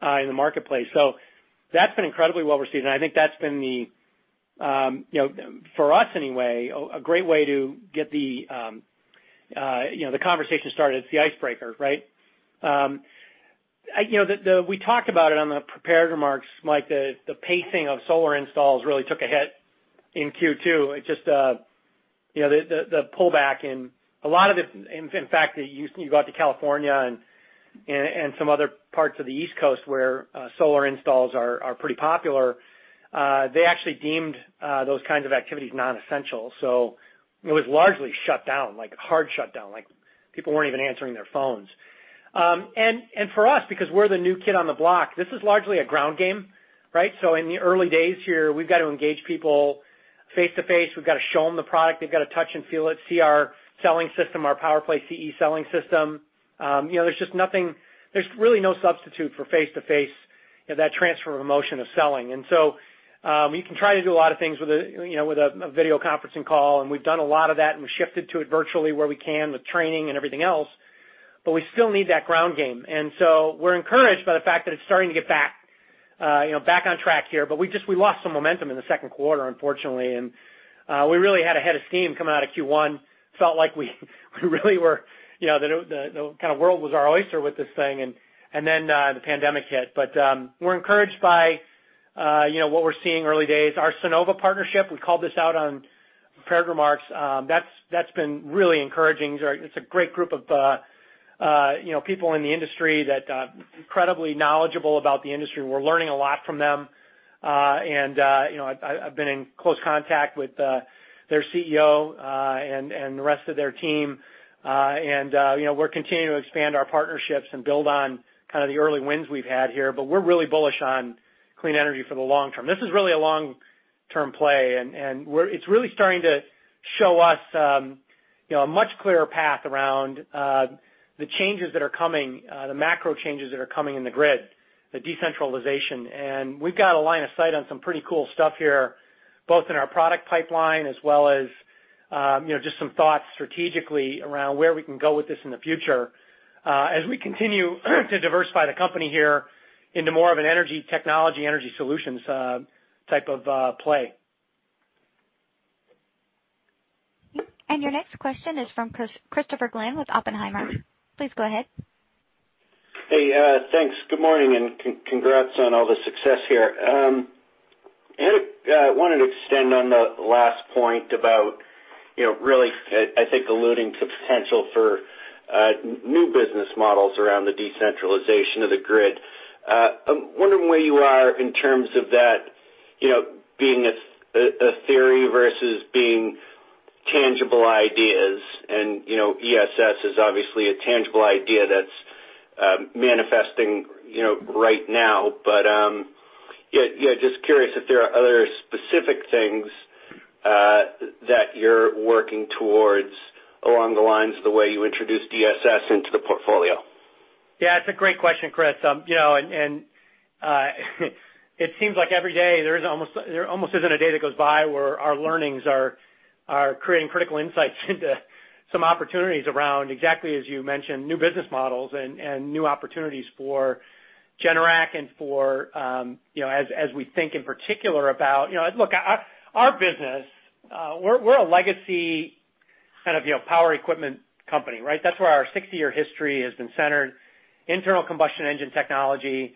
in the marketplace. That's been incredibly well-received, and I think that's been the, for us anyway, a great way to get the conversation started. It's the icebreaker, right? We talked about it on the prepared remarks, Mike. The pacing of solar installs really took a hit in Q2. The pullback in a lot of it, in fact, you go out to California and some other parts of the East Coast where solar installs are pretty popular, they actually deemed those kinds of activities non-essential. It was largely shut down, like hard shut down, like people weren't even answering their phones. For us, because we're the new kid on the block, this is largely a ground game, right? In the early days here, we've got to engage people face-to-face. We've got to show them the product. They've got to touch and feel it, see our selling system, our PowerPlay CE selling system. There's really no substitute for face-to-face, that transfer of emotion of selling. You can try to do a lot of things with a video conferencing call, and we've done a lot of that, and we've shifted to it virtually where we can with training and everything else, but we still need that ground game. We're encouraged by the fact that it's starting to get back on track here. We lost some momentum in the second quarter, unfortunately, and we really had a head of steam coming out of Q1. We felt like the world was our oyster with this thing, and then the pandemic hit. We're encouraged by what we're seeing early days. Our Sunnova partnership, we called this out on prepared remarks. That's been really encouraging. It's a great group of people in the industry that are incredibly knowledgeable about the industry. We're learning a lot from them. I've been in close contact with their CEO and the rest of their team. We're continuing to expand our partnerships and build on the early wins we've had here, but we're really bullish on clean energy for the long-term. This is really a long-term play, and it's really starting to show us a much clearer path around the changes that are coming, the macro changes that are coming in the grid, the decentralization. We've got a line of sight on some pretty cool stuff here, both in our product pipeline as well as just some thoughts strategically around where we can go with this in the future as we continue to diversify the company here into more of an energy technology, energy solutions type of play. Your next question is from Christopher Glynn with Oppenheimer. Please go ahead. Hey. Thanks. Good morning, and congrats on all the success here. I wanted to extend on the last point about really, I think, alluding to potential for new business models around the decentralization of the grid. I'm wondering where you are in terms of that being a theory versus being tangible ideas. ESS is obviously a tangible idea that's manifesting right now. Yeah, just curious if there are other specific things that you're working towards along the lines of the way you introduced ESS into the portfolio. Yeah, it's a great question, Chris. It seems like every day there almost isn't a day that goes by where our learnings are creating critical insights into some opportunities around, exactly as you mentioned, new business models and new opportunities for Generac. As we think in particular, look, our business, we're a legacy kind of power equipment company, right? That's where our 60-year history has been centered, internal combustion engine technology,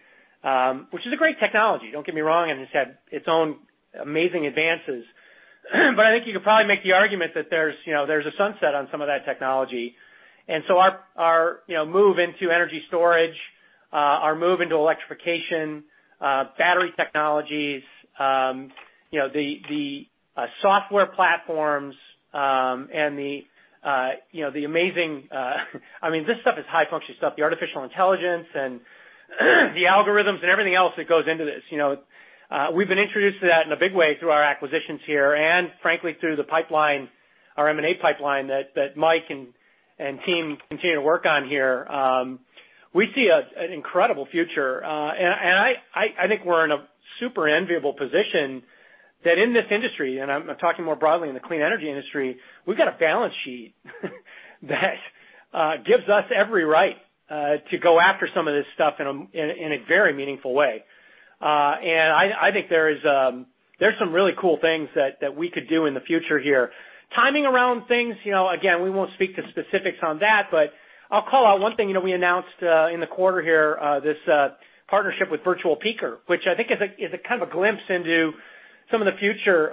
which is a great technology, don't get me wrong, and it's had its own amazing advances. I think you could probably make the argument that there's a sunset on some of that technology. So our move into energy storage, our move into electrification, battery technologies, the software platforms, and the amazing I mean, this stuff is high-function stuff. The artificial intelligence and the algorithms and everything else that goes into this. We've been introduced to that in a big way through our acquisitions here and frankly, through our M&A pipeline that Mike and team continue to work on here. We see an incredible future. I think we're in a super enviable position that in this industry, and I'm talking more broadly in the clean energy industry, we've got a balance sheet that gives us every right to go after some of this stuff in a very meaningful way. I think there's some really cool things that we could do in the future here. Timing around things, again, we won't speak to specifics on that, but I'll call out one thing we announced in the quarter here, this partnership with Virtual Peaker, which I think is a kind of a glimpse into some of the future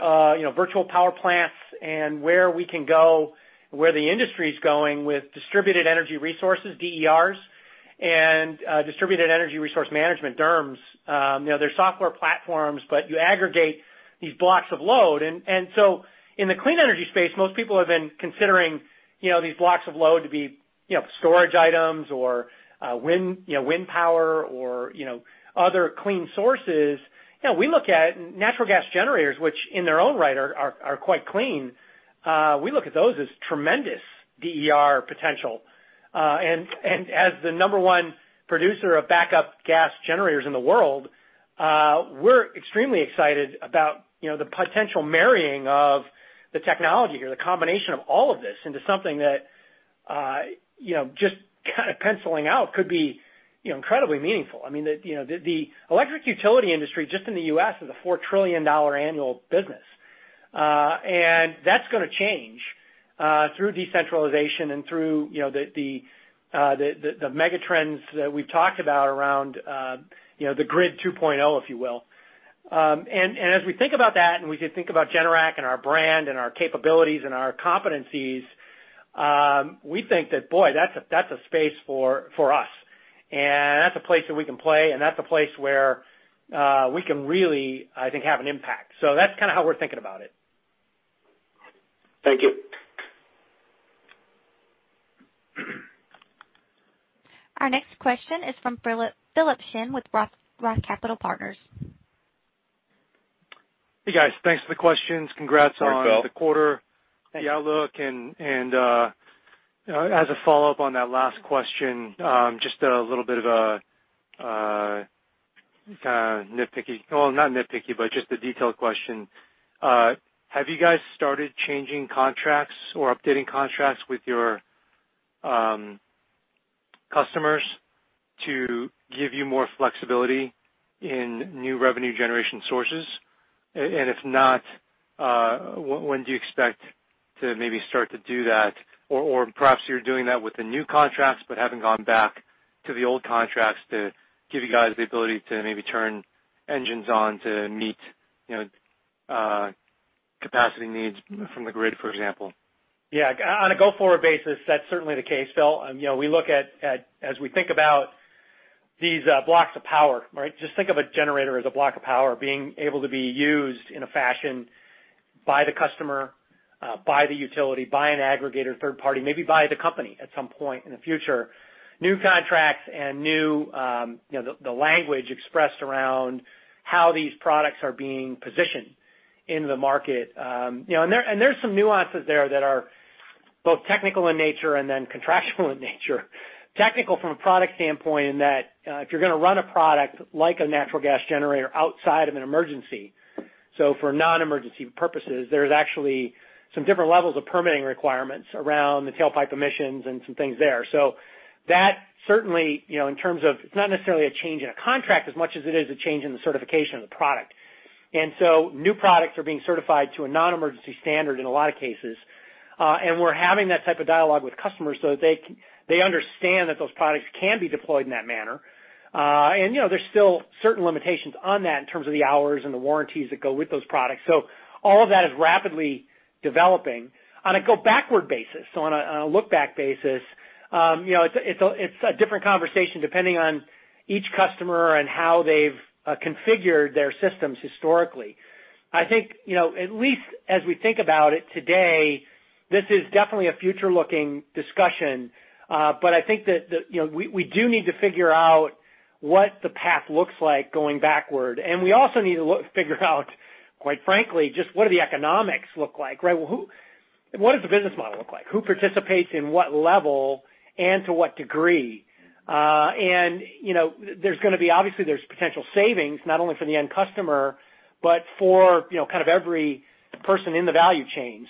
virtual power plants and where we can go, where the industry's going with distributed energy resources, DERs, and distributed energy resource management, DERMS. They're software platforms, you aggregate these blocks of load. In the clean energy space, most people have been considering these blocks of load to be storage items or wind power or other clean sources. We look at natural gas generators, which in their own right are quite clean. We look at those as tremendous DER potential. As the number one producer of backup gas generators in the world, we're extremely excited about the potential marrying of the technology here, the combination of all of this into something that just kind of penciling out could be incredibly meaningful. The electric utility industry, just in the U.S., is a $4 trillion annual business. That's going to change through decentralization and through the mega trends that we've talked about around the Grid 2.0, if you will. As we think about that, and we think about Generac and our brand and our capabilities and our competencies, we think that, boy, that's a space for us. That's a place that we can play, and that's a place where we can really, I think, have an impact. That's kind of how we're thinking about it. Thank you. Our next question is from Philip Shen with Roth Capital Partners. Hey, guys. Thanks for the questions. Hi, Phil. the quarter- Thank you. The outlook. As a follow-up on that last question, well, not nitpicky, but just a detailed question. Have you guys started changing contracts or updating contracts with your customers to give you more flexibility in new revenue generation sources? If not, when do you expect to maybe start to do that? Perhaps you're doing that with the new contracts, but haven't gone back to the old contracts to give you guys the ability to maybe turn engines on to meet new capacity needs from the Grid, for example. On a go-forward basis, that's certainly the case, Philip. As we think about these blocks of power, right? Just think of a generator as a block of power being able to be used in a fashion by the customer, by the utility, by an aggregator, third party, maybe by the company at some point in the future. New contracts and the language expressed around how these products are being positioned in the market. There's some nuances there that are both technical in nature and then contractual in nature. Technical from a product standpoint, in that if you're going to run a product like a natural gas generator outside of an emergency, so for non-emergency purposes, there's actually some different levels of permitting requirements around the tailpipe emissions and some things there. That certainly, it's not necessarily a change in a contract as much as it is a change in the certification of the product. New products are being certified to a non-emergency standard in a lot of cases. We're having that type of dialogue with customers so that they understand that those products can be deployed in that manner. There's still certain limitations on that in terms of the hours and the warranties that go with those products. All of that is rapidly developing. On a go backward basis, so on a look back basis, it's a different conversation depending on each customer and how they've configured their systems historically. I think, at least as we think about it today, this is definitely a future-looking discussion. I think that we do need to figure out what the path looks like going backward. We also need to figure out, quite frankly, just what do the economics look like, right? What does the business model look like? Who participates in what level and to what degree? Obviously there's potential savings, not only for the end customer, but for every person in the value chain.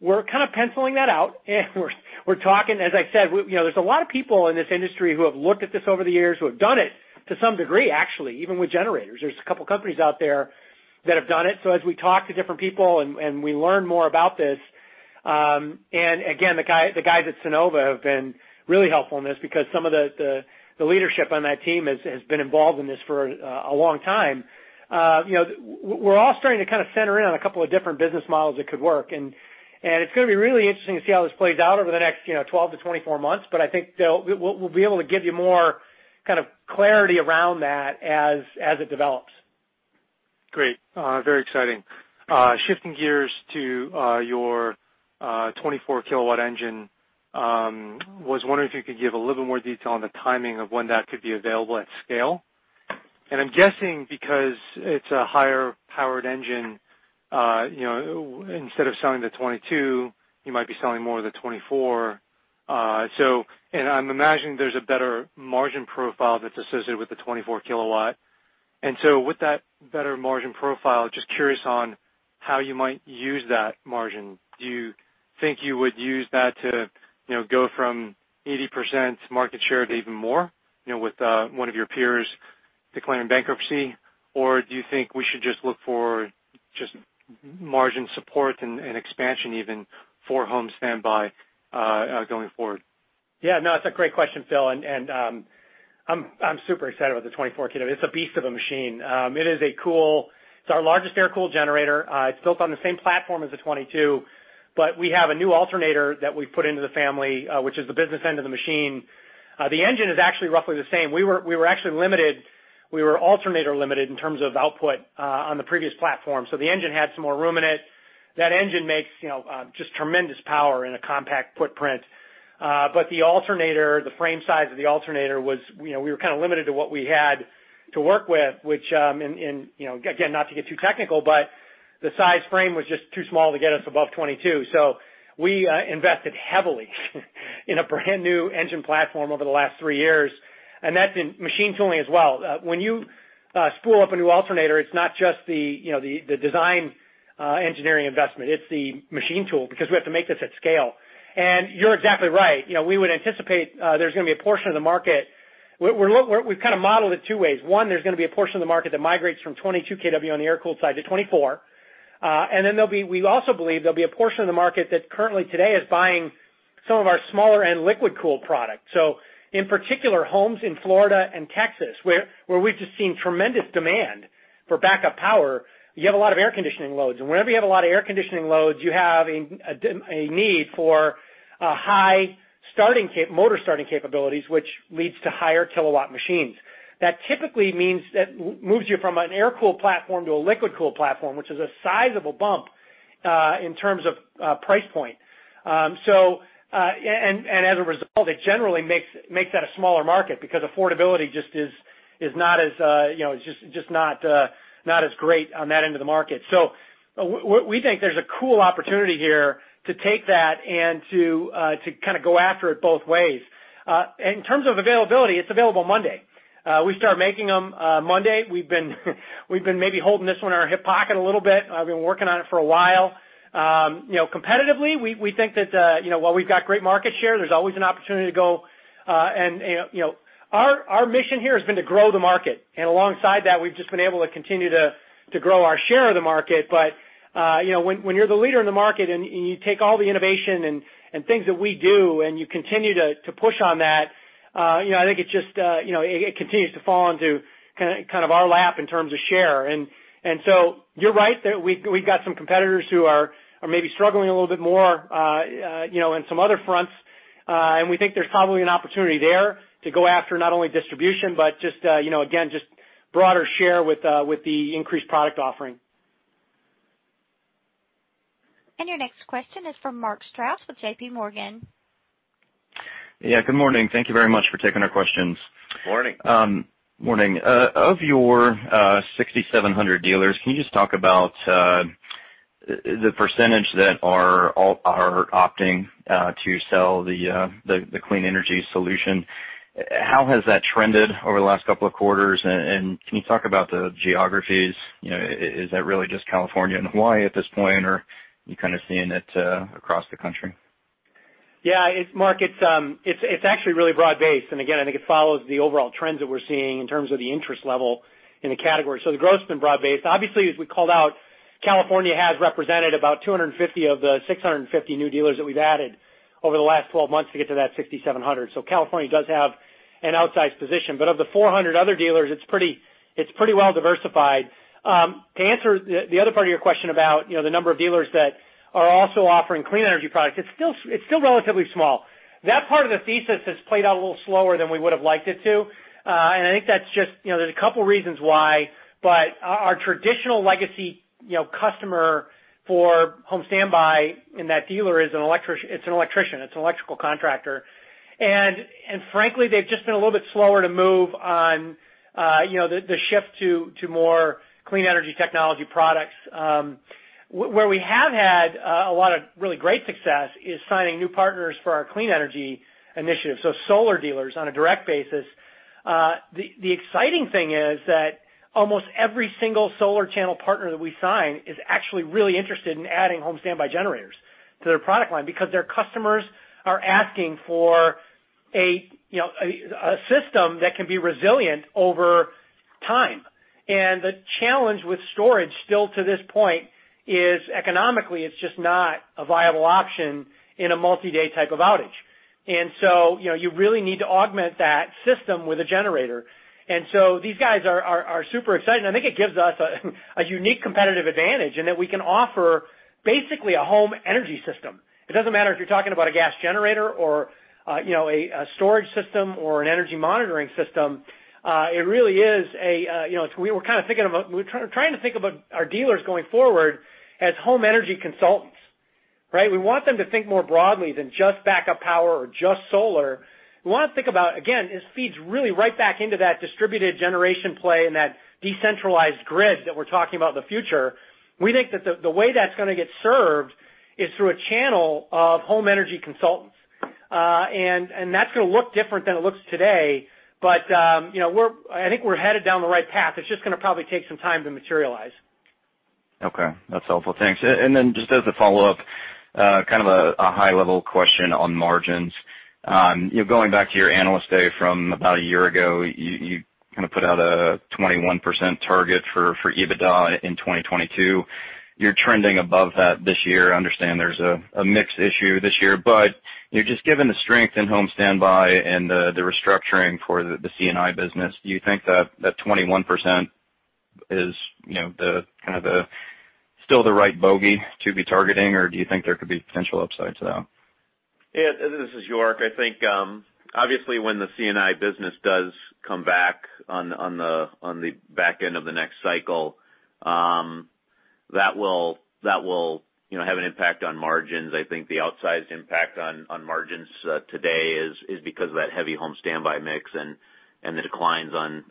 We're kind of penciling that out, and we're talking. As I said, there's a lot of people in this industry who have looked at this over the years, who have done it to some degree, actually, even with generators. There's a couple of companies out there that have done it. As we talk to different people and we learn more about this, and again, the guys at Sunnova have been really helpful in this because some of the leadership on that team has been involved in this for a long time. We're all starting to center in on a couple of different business models that could work. It's going to be really interesting to see how this plays out over the next 12 to 24 months. I think, Phil, we'll be able to give you more kind of clarity around that as it develops. Great. Very exciting. Shifting gears to your 24 kW engine, was wondering if you could give a little more detail on the timing of when that could be available at scale. I'm guessing because it's a higher powered engine, instead of selling the 22 kW, you might be selling more of the 24. I'm imagining there's a better margin profile that's associated with the 24 kW. With that better margin profile, just curious on how you might use that margin. Do you think you would use that to go from 80% market share to even more, with one of your peers declaring bankruptcy? Do you think we should just look for just margin support and expansion even for Home Standby going forward? Yeah. No, it's a great question, Phil. I'm super excited about the 24 kW. It's a beast of a machine. It's our largest air-cooled generator. It's built on the same platform as the 22 kW, but we have a new alternator that we put into the family, which is the business end of the machine. The engine is actually roughly the same. We were alternator limited in terms of output on the previous platform. The engine had some more room in it. That engine makes just tremendous power in a compact footprint. The alternator, the frame size of the alternator, we were kind of limited to what we had to work with, which again, not to get too technical, but the size frame was just too small to get us above 22 kW. We invested heavily in a brand-new engine platform over the last three years, and that's in machine tooling as well. When you spool up a new alternator, it's not just the design engineering investment. It's the machine tool, because we have to make this at scale. You're exactly right. We would anticipate there's going to be a portion of the market. We've kind of modeled it two ways. One, there's going to be a portion of the market that migrates from 22 kW on the air-cooled side to 24 kW. We also believe there'll be a portion of the market that currently today is buying some of our smaller end liquid-cooled product. In particular, homes in Florida and Texas, where we've just seen tremendous demand for backup power. You have a lot of air conditioning loads. Whenever you have a lot of air conditioning loads, you have a need for high motor starting capabilities, which leads to higher kilowatt machines. That typically means that moves you from an air-cooled platform to a liquid-cooled platform, which is a sizable bump in terms of price point. As a result, it generally makes that a smaller market because affordability just is not as great on that end of the market. We think there's a cool opportunity here to take that and to go after it both ways. In terms of availability, it's available Monday. We start making them Monday. We've been maybe holding this one in our hip pocket a little bit. We've been working on it for a while. Competitively, we think that while we've got great market share, there's always an opportunity to go. Our mission here has been to grow the market. Alongside that, we've just been able to continue to grow our share of the market. When you're the leader in the market and you take all the innovation and things that we do, and you continue to push on that, I think it continues to fall into kind of our lap in terms of share. You're right. We've got some competitors who are maybe struggling a little bit more in some other fronts. We think there's probably an opportunity there to go after not only distribution, but again, just broader share with the increased product offering. Your next question is from Mark Strouse with JPMorgan. Good morning. Thank you very much for taking our questions. Morning. Morning. Of your 6,700 dealers, can you just talk about the percentage that are opting to sell the clean energy solution? How has that trended over the last couple of quarters, and can you talk about the geographies? Is that really just California and Hawaii at this point, or are you kind of seeing it across the country? Yeah, Mark, it's actually really broad-based. Again, I think it follows the overall trends that we're seeing in terms of the interest level in the category. The growth's been broad-based. Obviously, as we called out, California has represented about 250 of the 650 new dealers that we've added over the last 12 months to get to that 6,700. California does have an outsized position, but of the 400 other dealers, it's pretty well-diversified. To answer the other part of your question about the number of dealers that are also offering clean energy product, it's still relatively small. That part of the thesis has played out a little slower than we would've liked it to. I think there's a couple reasons why, but our traditional legacy customer for Home Standby in that dealer is an electrician. It's an electrical contractor. Frankly, they've just been a little bit slower to move on the shift to more clean energy technology products. Where we have had a lot of really great success is signing new partners for our clean energy initiative, so solar dealers on a direct basis. The exciting thing is that almost every single solar channel partner that we sign is actually really interested in adding Home Standby generators to their product line because their customers are asking for a system that can be resilient over time. The challenge with storage still to this point is economically, it's just not a viable option in a multi-day type of outage. You really need to augment that system with a generator. These guys are super excited, and I think it gives us a unique competitive advantage in that we can offer basically a home energy system. It doesn't matter if you're talking about a gas generator or a storage system or an energy monitoring system. We were trying to think about our dealers going forward as home energy consultants, right? We want them to think more broadly than just backup power or just solar. We want to think about, again, this feeds really right back into that distributed generation play and that decentralized grid that we're talking about in the future. We think that the way that's going to get served is through a channel of home energy consultants. That's going to look different than it looks today, but I think we're headed down the right path. It's just going to probably take some time to materialize. Okay. That's helpful. Thanks. Just as a follow-up, kind of a high-level question on margins. Going back to your Analyst Day from about a year ago, you kind of put out a 21% target for EBITDA in 2022. You're trending above that this year. I understand there's a mix issue this year, but just given the strength in Home Standby and the restructuring for the C&I business, do you think that 21% is kind of still the right bogey to be targeting, or do you think there could be potential upsides to that? Yeah. This is York. I think, obviously, when the C&I business does come back on the back end of the next cycle, that will have an impact on margins. I think the outsized impact on margins today is because of that heavy Home Standby mix and the declines on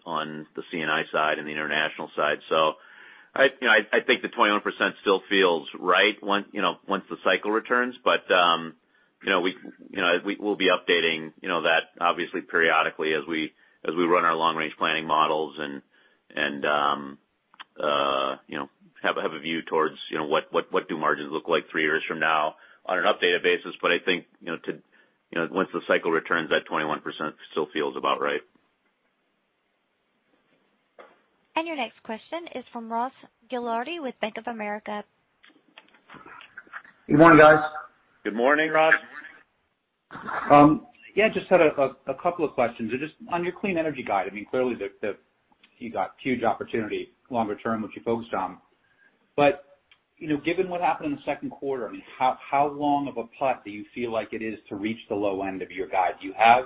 the C&I side and the international side. I think the 21% still feels right once the cycle returns. We'll be updating that obviously periodically as we run our long-range planning models and have a view towards what do margins look like three years from now on an updated basis. I think once the cycle returns, that 21% still feels about right. Your next question is from Ross Gilardi with Bank of America. Good morning, guys. Good morning, Ross. Yeah, just had a couple of questions. Just on your clean energy guide, I mean, clearly you got huge opportunity longer term, which you focused on. Given what happened in the second quarter, I mean, how long of a putt do you feel like it is to reach the low end of your guide? Do you have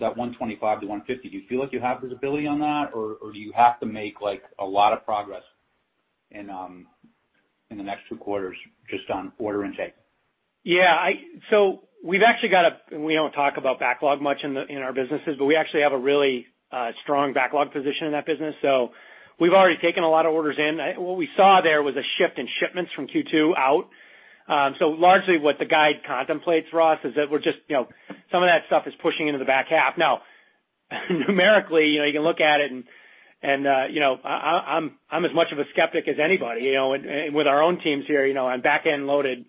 that 125-150? Do you feel like you have visibility on that, or do you have to make a lot of progress in the next two quarters just on order intake? Yeah. We don't talk about backlog much in our businesses, but we actually have a really strong backlog position in that business. We've already taken a lot of orders in. What we saw there was a shift in shipments from Q2 out. Largely what the guide contemplates, Ross, is that some of that stuff is pushing into the back half. Now, numerically, you can look at it, and I'm as much of a skeptic as anybody. With our own teams here on back-end loaded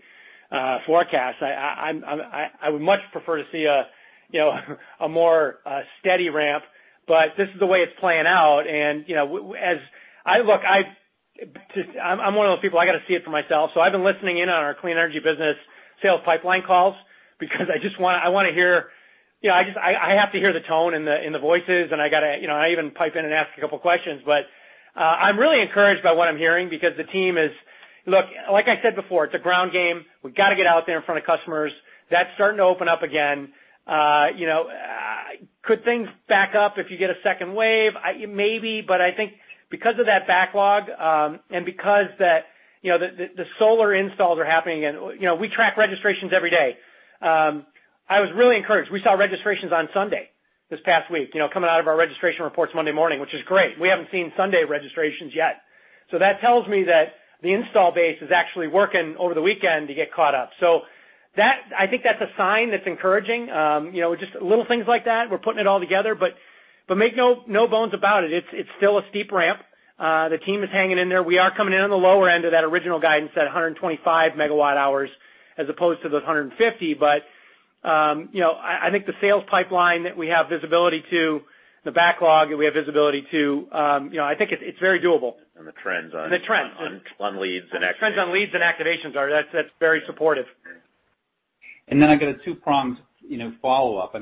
forecasts, I would much prefer to see a more steady ramp, but this is the way it's playing out. As I look, I'm one of those people, I got to see it for myself. I've been listening in on our clean energy business sales pipeline calls because I have to hear the tone and the voices, and I even pipe in and ask a couple questions, but I'm really encouraged by what I'm hearing because Look, like I said before, it's a ground game. We've got to get out there in front of customers. That's starting to open up again. Could things back up if you get a second wave? Maybe, but I think because of that backlog, and because the solar installs are happening and we track registrations every day, I was really encouraged. We saw registrations on Sunday this past week, coming out of our registration reports Monday morning, which is great. We haven't seen Sunday registrations yet. That tells me that the install base is actually working over the weekend to get caught up. I think that's a sign that's encouraging. Just little things like that, we're putting it all together. Make no bones about it's still a steep ramp. The team is hanging in there. We are coming in on the lower end of that original guidance at 125 MWh as opposed to the 150. I think the sales pipeline that we have visibility to, the backlog that we have visibility to, I think it's very doable. The trends on- The trends on- On leads and activations The trends on leads and activations, that's very supportive. I got a two-pronged follow-up.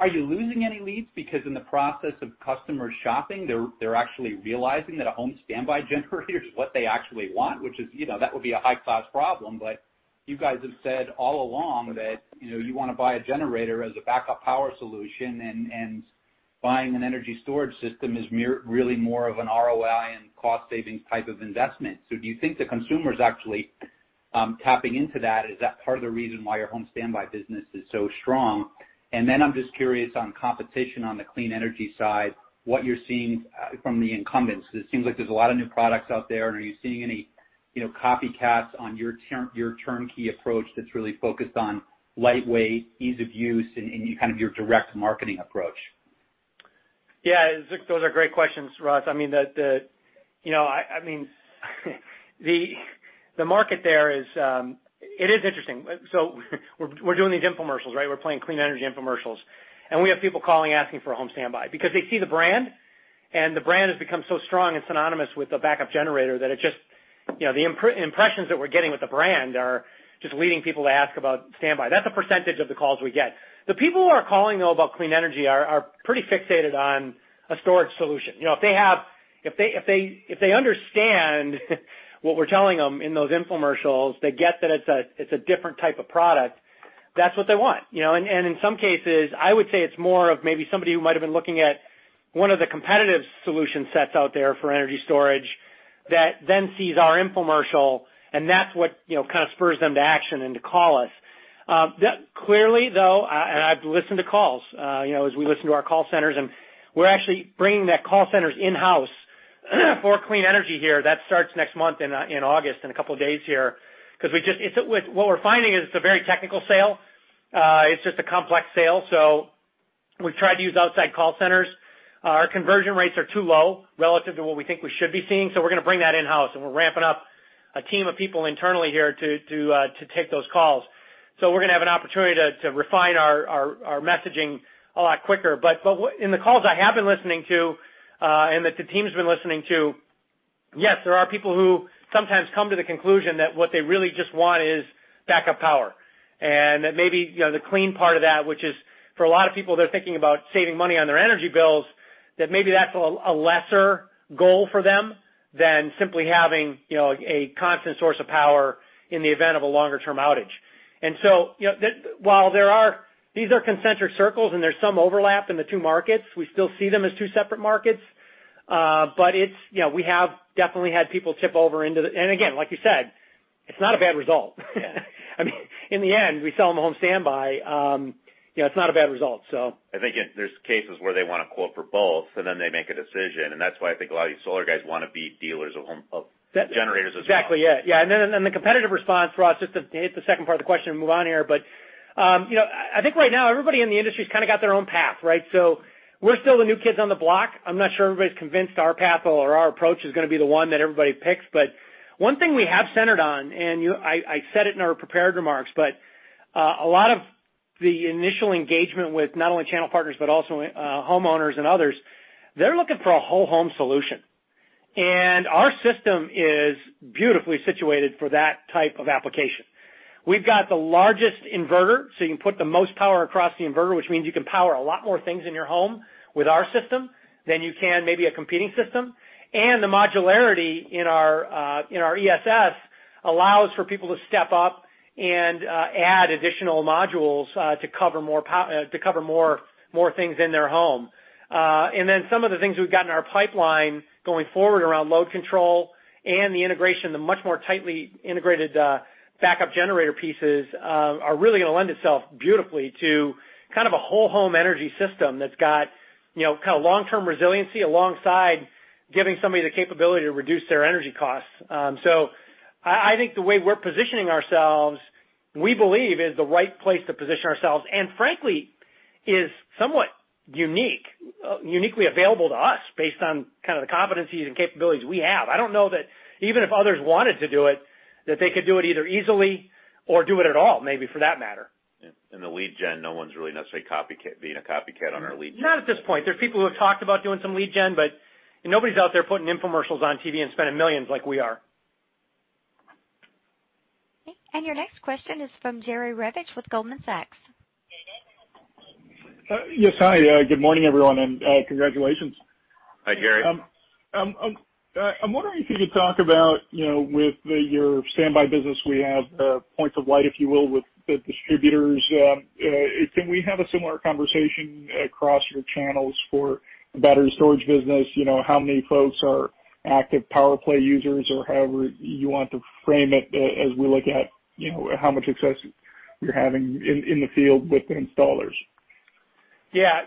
Are you losing any leads? In the process of customers shopping, they're actually realizing that a Home Standby generator is what they actually want, which that would be a high-class problem, but you guys have said all along that you want to buy a generator as a backup power solution and buying an energy storage system is really more of an ROI and cost savings type of investment. Do you think the consumer's actually tapping into that? Is that part of the reason why your Home Standby business is so strong? I'm just curious on competition on the clean energy side, what you're seeing from the incumbents, because it seems like there's a lot of new products out there. Are you seeing any copycats on your turnkey approach that's really focused on lightweight, ease of use, and your direct marketing approach? Yeah. Those are great questions, Ross. The market there is interesting. We're doing these infomercials, right? We're playing clean energy infomercials, and we have people calling, asking for a Home Standby because they see the brand, and the brand has become so strong and synonymous with the backup generator that the impressions that we're getting with the brand are just leading people to ask about standby. That's a percentage of the calls we get. The people who are calling, though, about clean energy are pretty fixated on a storage solution. If they understand what we're telling them in those infomercials, they get that it's a different type of product, that's what they want. In some cases, I would say it's more of maybe somebody who might've been looking at one of the competitive solution sets out there for energy storage that then sees our infomercial, and that's what spurs them to action and to call us. Clearly, though, I've listened to calls as we listen to our call centers, we're actually bringing the call centers in-house for clean energy here. That starts next month in August, in a couple of days here. What we're finding is it's a very technical sale. It's just a complex sale. We've tried to use outside call centers. Our conversion rates are too low relative to what we think we should be seeing, we're going to bring that in-house, we're ramping up a team of people internally here to take those calls. We're going to have an opportunity to refine our messaging a lot quicker. In the calls I have been listening to, and that the team's been listening to, yes, there are people who sometimes come to the conclusion that what they really just want is backup power. That maybe the clean part of that, which is for a lot of people, they're thinking about saving money on their energy bills, that maybe that's a lesser goal for them than simply having a constant source of power in the event of a longer-term outage. While these are concentric circles and there's some overlap in the two markets, we still see them as two separate markets. We have definitely had people tip over, and again, like you said, it's not a bad result. In the end, we sell them a Home Standby. It's not a bad result. I think there's cases where they want a quote for both, and then they make a decision. That's why I think a lot of these solar guys want to be dealers of generators as well. Exactly. Yeah. The competitive response, Ross, just to hit the second part of the question and move on here. I think right now, everybody in the industry's got their own path, right? We're still the new kids on the block. I'm not sure everybody's convinced our path or our approach is going to be the one that everybody picks. One thing we have centered on, and I said it in our prepared remarks, but a lot of the initial engagement with not only channel partners, but also homeowners and others, they're looking for a whole home solution. Our system is beautifully situated for that type of application. We've got the largest inverter, so you can put the most power across the inverter, which means you can power a lot more things in your home with our system than you can maybe a competing system. The modularity in our ESS allows for people to step up and add additional modules to cover more things in their home. Some of the things we've got in our pipeline going forward around load control and the integration, the much more tightly integrated backup generator pieces are really going to lend itself beautifully to a whole home energy system that's got long-term resiliency alongside giving somebody the capability to reduce their energy costs. I think the way we're positioning ourselves, we believe is the right place to position ourselves, and frankly, is somewhat uniquely available to us based on the competencies and capabilities we have. I don't know that even if others wanted to do it, that they could do it either easily or do it at all, maybe for that matter. In the lead gen, no one's really necessarily being a copycat on our lead gen. Not at this point. There's people who have talked about doing some lead gen, but nobody's out there putting infomercials on TV and spending millions like we are. Okay. Your next question is from Jerry Revich with Goldman Sachs. Yes, hi. Good morning, everyone, and congratulations. Hi, Jerry. I'm wondering if you could talk about, with your standby business, we have points of light, if you will, with the distributors. Can we have a similar conversation across your channels for the battery storage business? How many folks are active PowerPlay users or however you want to frame it, as we look at how much success you're having in the field with the installers? Yeah.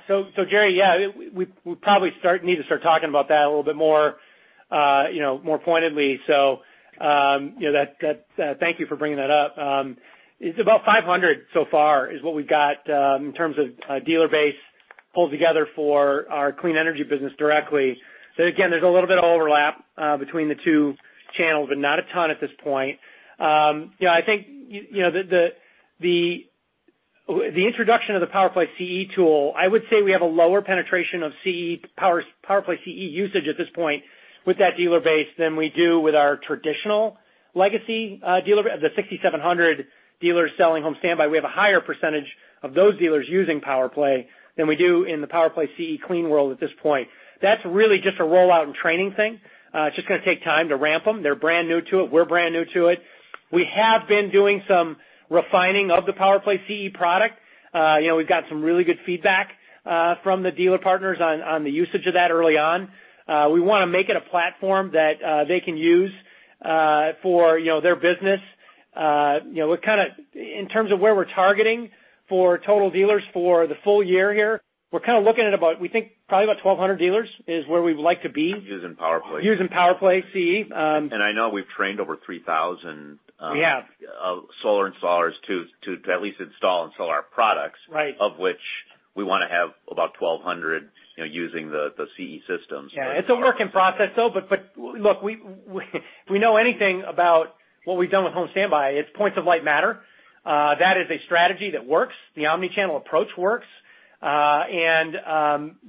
Jerry, yeah, we probably need to start talking about that a little bit more pointedly. Thank you for bringing that up. It's about 500 so far is what we've got in terms of dealer base pulled together for our clean energy business directly. Again, there's a little bit of overlap between the two channels, but not a ton at this point. I think, the introduction of the PowerPlay CE tool, I would say we have a lower penetration of PowerPlay CE usage at this point with that dealer base than we do with our traditional legacy of the 6,700 dealers selling Home Standby. We have a higher percentage of those dealers using PowerPlay than we do in the PowerPlay CE clean world at this point. That's really just a rollout and training thing. It's just going to take time to ramp them. They're brand new to it. We're brand new to it. We have been doing some refining of the PowerPlay CE product. We've got some really good feedback from the dealer partners on the usage of that early on. We want to make it a platform that they can use for their business. In terms of where we're targeting for total dealers for the full-year here, we're looking at about, we think, probably about 1,200 dealers is where we would like to be. Using PowerPlay. Using PowerPlay CE. I know we've trained over 3,000. We have. solar installers to at least install and sell our products. Right. Of which we want to have about 1,200 using the CE systems. Yeah. It's a work in process, though. Look, if we know anything about what we've done with Home Standby, it's points of light matter. That is a strategy that works. The omni-channel approach works. We're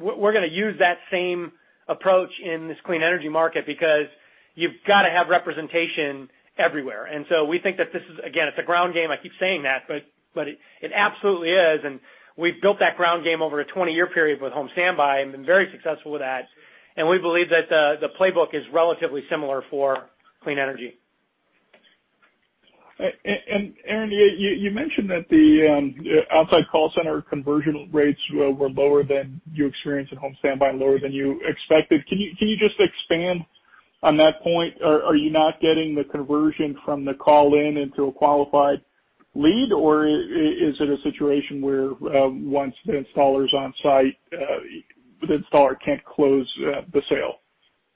going to use that same approach in this clean energy market because you've got to have representation everywhere. We think that this is, again, it's a ground game. I keep saying that, but it absolutely is, and we've built that ground game over a 20-year period with Home Standby and been very successful with that. We believe that the playbook is relatively similar for clean energy. Aaron, you mentioned that the outside call center conversion rates were lower than you experienced in Home Standby, lower than you expected. Can you just expand on that point? Are you not getting the conversion from the call-in into a qualified lead, or is it a situation where once the installer's on site, the installer can't close the sale?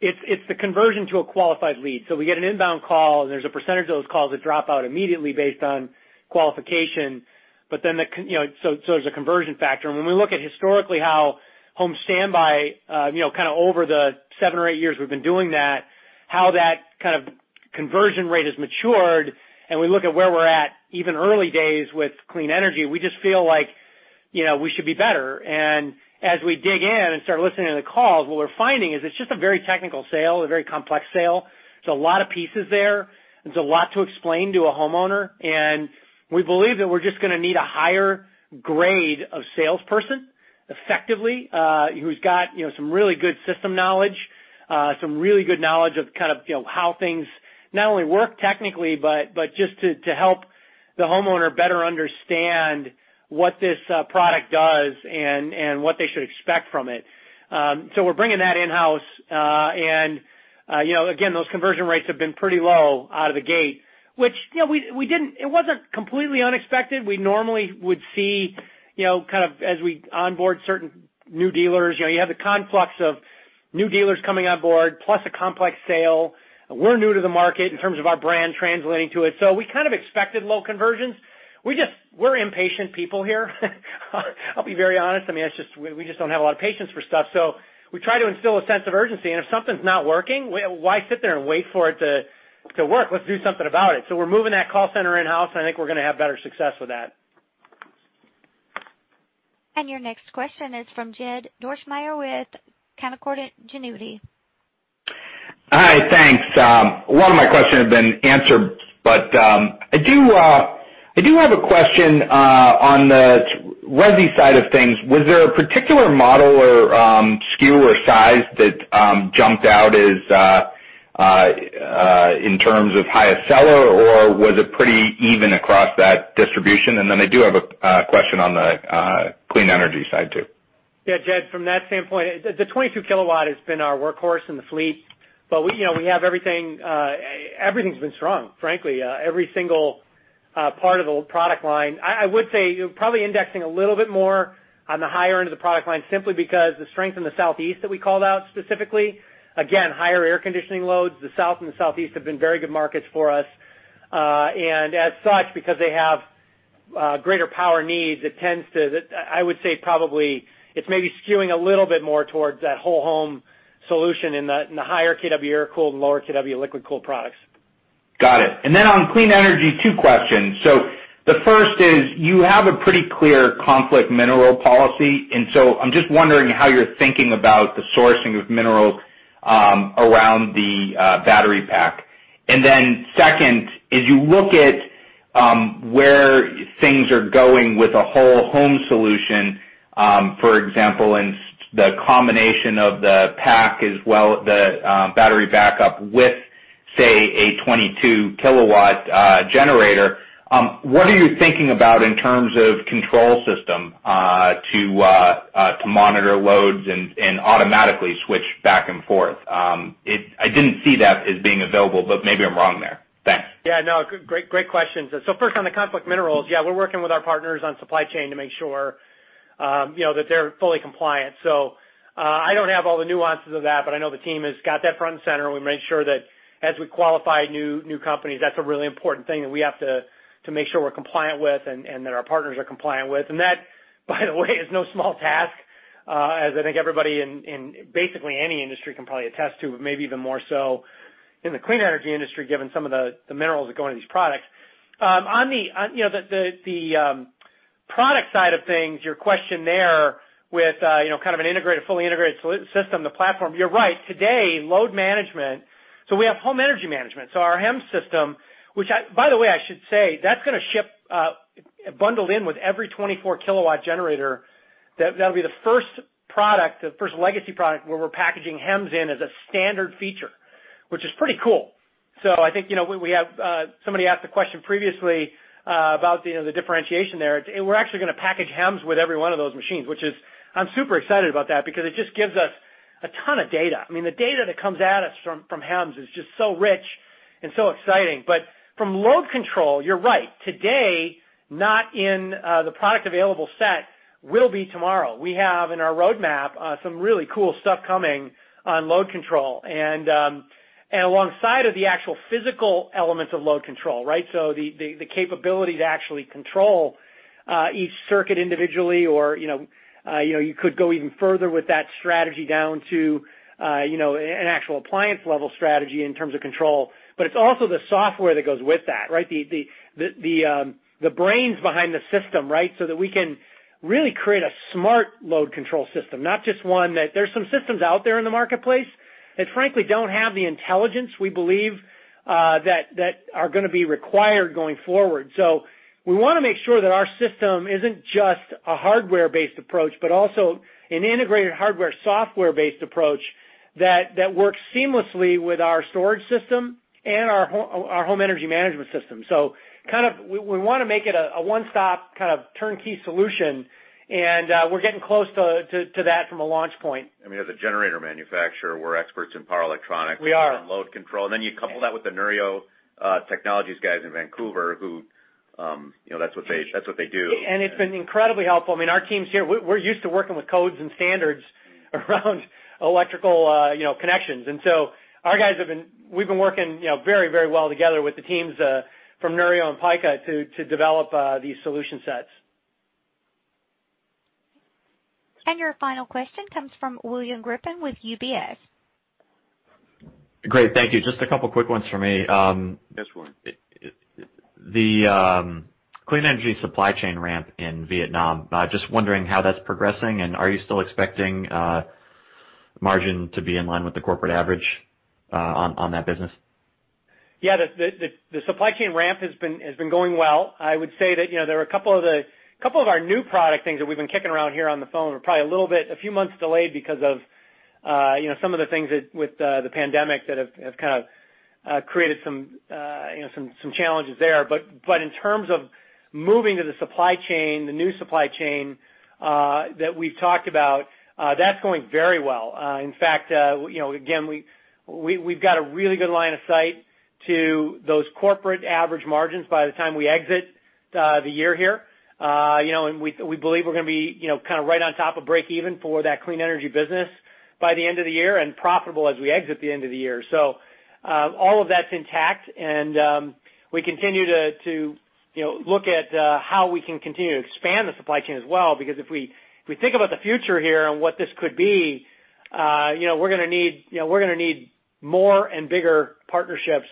It's the conversion to a qualified lead. We get an inbound call, and there's a percentage of those calls that drop out immediately based on qualification. There's a conversion factor, and when we look at historically how Home Standby, over the seven or eight years we've been doing that, how that conversion rate has matured, and we look at where we're at, even early days with clean energy, we just feel like we should be better. As we dig in and start listening to the calls, what we're finding is it's just a very technical sale, a very complex sale. There's a lot of pieces there. There's a lot to explain to a homeowner, and we believe that we're just going to need a higher grade of salesperson, effectively, who's got some really good system knowledge, some really good knowledge of how things not only work technically, but just to help the homeowner better understand what this product does and what they should expect from it. We're bringing that in-house. Again, those conversion rates have been pretty low out of the gate, which it wasn't completely unexpected. We normally would see as we onboard certain new dealers, you have the conflux of new dealers coming on board, plus a complex sale. We're new to the market in terms of our brand translating to it. We expected low conversions. We're impatient people here. I'll be very honest. We just don't have a lot of patience for stuff. We try to instill a sense of urgency, and if something's not working, why sit there and wait for it to work? Let's do something about it. We're moving that call center in-house, and I think we're going to have better success with that. Your next question is from Jed Dorsheimer with Canaccord Genuity. Hi, thanks. A lot of my questions have been answered, but I do have a question on the resi side of things. Was there a particular model or SKU or size that jumped out in terms of highest seller, or was it pretty even across that distribution? Then I do have a question on the clean energy side, too. Yeah, Jed, from that standpoint, the 22 kW has been our workhorse in the fleet, but everything's been strong, frankly. Every single part of the product line. I would say, probably indexing a little bit more on the higher end of the product line, simply because the strength in the Southeast that we called out specifically. Again, higher air conditioning loads. The South and the Southeast have been very good markets for us. As such, because they have greater power needs, I would say probably it's maybe skewing a little bit more towards that whole home solution in the higher kW air-cooled and lower kW liquid-cooled products. Got it. On clean energy, two questions. The first is, you have a pretty clear conflict mineral policy. I'm just wondering how you're thinking about the sourcing of minerals around the battery pack. Second, as you look at where things are going with a whole home solution, for example, in the combination of the pack as well, the battery backup with, say, a 22-kW generator, what are you thinking about in terms of control system to monitor loads and automatically switch back and forth? I didn't see that as being available, maybe I'm wrong there. Thanks. Yeah, no, great questions. First, on the conflict minerals, yeah, we're working with our partners on supply chain to make sure that they're fully compliant. I don't have all the nuances of that, but I know the team has got that front and center. We made sure that as we qualify new companies, that's a really important thing that we have to make sure we're compliant with and that our partners are compliant with. That, by the way, is no small task, as I think everybody in basically any industry can probably attest to, but maybe even more so in the clean energy industry, given some of the minerals that go into these products. On the product side of things, your question there with kind of a fully integrated system, the platform, you're right. Today, load management. We have home energy management. Our HEMS system, which, by the way, I should say, that's going to ship bundled in with every 24-kw generator. That'll be the first product, the first legacy product, where we're packaging HEMS in as a standard feature, which is pretty cool. Somebody asked a question previously about the differentiation there. We're actually going to package HEMS with every one of those machines. I'm super excited about that because it just gives us a ton of data. I mean, the data that comes at us from HEMS is just so rich and so exciting. From load control, you're right. Today, not in the product available set, will be tomorrow. We have in our roadmap some really cool stuff coming on load control. Alongside of the actual physical elements of load control, right? The capability to actually control each circuit individually, or you could go even further with that strategy down to an actual appliance level strategy in terms of control. It's also the software that goes with that, right? The brains behind the system, right? That we can really create a smart load control system. There's some systems out there in the marketplace that frankly don't have the intelligence we believe that are going to be required going forward. We want to make sure that our system isn't just a hardware-based approach, but also an integrated hardware/software-based approach that works seamlessly with our storage system and our home energy management system. We want to make it a one-stop kind of turnkey solution, and we're getting close to that from a launch point. I mean, as a generator manufacturer, we're experts in power electronics- We are. and load control. You couple that with the Neurio Technologies guys in Vancouver who that's what they do. It's been incredibly helpful. I mean, our teams here, we're used to working with codes and standards around electrical connections. We've been working very well together with the teams from Neurio and Pika to develop these solution sets. Your final question comes from William Grippin with UBS. Great. Thank you. Just a couple quick ones for me. Yes, William. The clean energy supply chain ramp in Vietnam, just wondering how that's progressing? Are you still expecting margin to be in line with the corporate average on that business? The supply chain ramp has been going well. I would say that there are a couple of our new product things that we've been kicking around here on the phone are probably a little bit, a few months delayed because of some of the things with the pandemic that have kind of created some challenges there. In terms of moving to the supply chain, the new supply chain that we've talked about, that's going very well. In fact again, we've got a really good line of sight to those corporate average margins by the time we exit the year here. We believe we're going to be kind of right on top of breakeven for that clean energy business by the end of the year and profitable as we exit the end of the year. All of that's intact, and we continue to look at how we can continue to expand the supply chain as well, because if we think about the future here and what this could be we're going to need more and bigger partnerships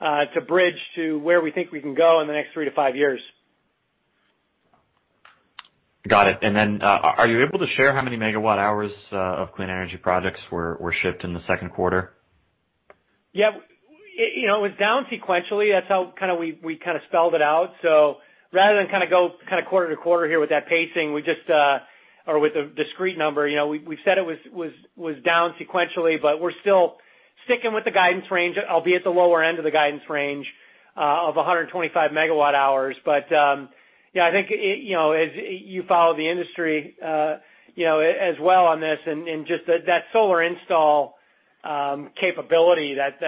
to bridge to where we think we can go in the next three to five years. Got it. Are you able to share how many megawatt hours of clean energy projects were shipped in the second quarter? Yeah. It was down sequentially. That's how we kind of spelled it out. Rather than go quarter to quarter here with that pacing or with a discrete number, we said it was down sequentially, but we're still sticking with the guidance range, albeit the lower end of the guidance range of 125 MWh. Yeah, I think as you follow the industry as well on this and just that solar install capability that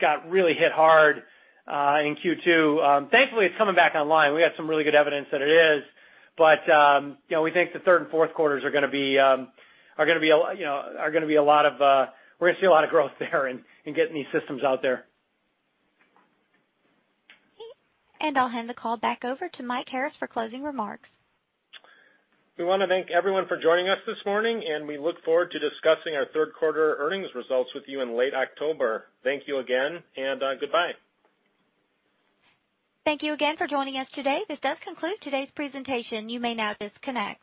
got really hit hard in Q2, thankfully it's coming back online. We have some really good evidence that it is. We think the third and fourth quarters we're going to see a lot of growth there in getting these systems out there. I'll hand the call back over to Mike Harris for closing remarks. We want to thank everyone for joining us this morning, and we look forward to discussing our third quarter earnings results with you in late October. Thank you again, and goodbye. Thank you again for joining us today. This does conclude today's presentation. You may now disconnect.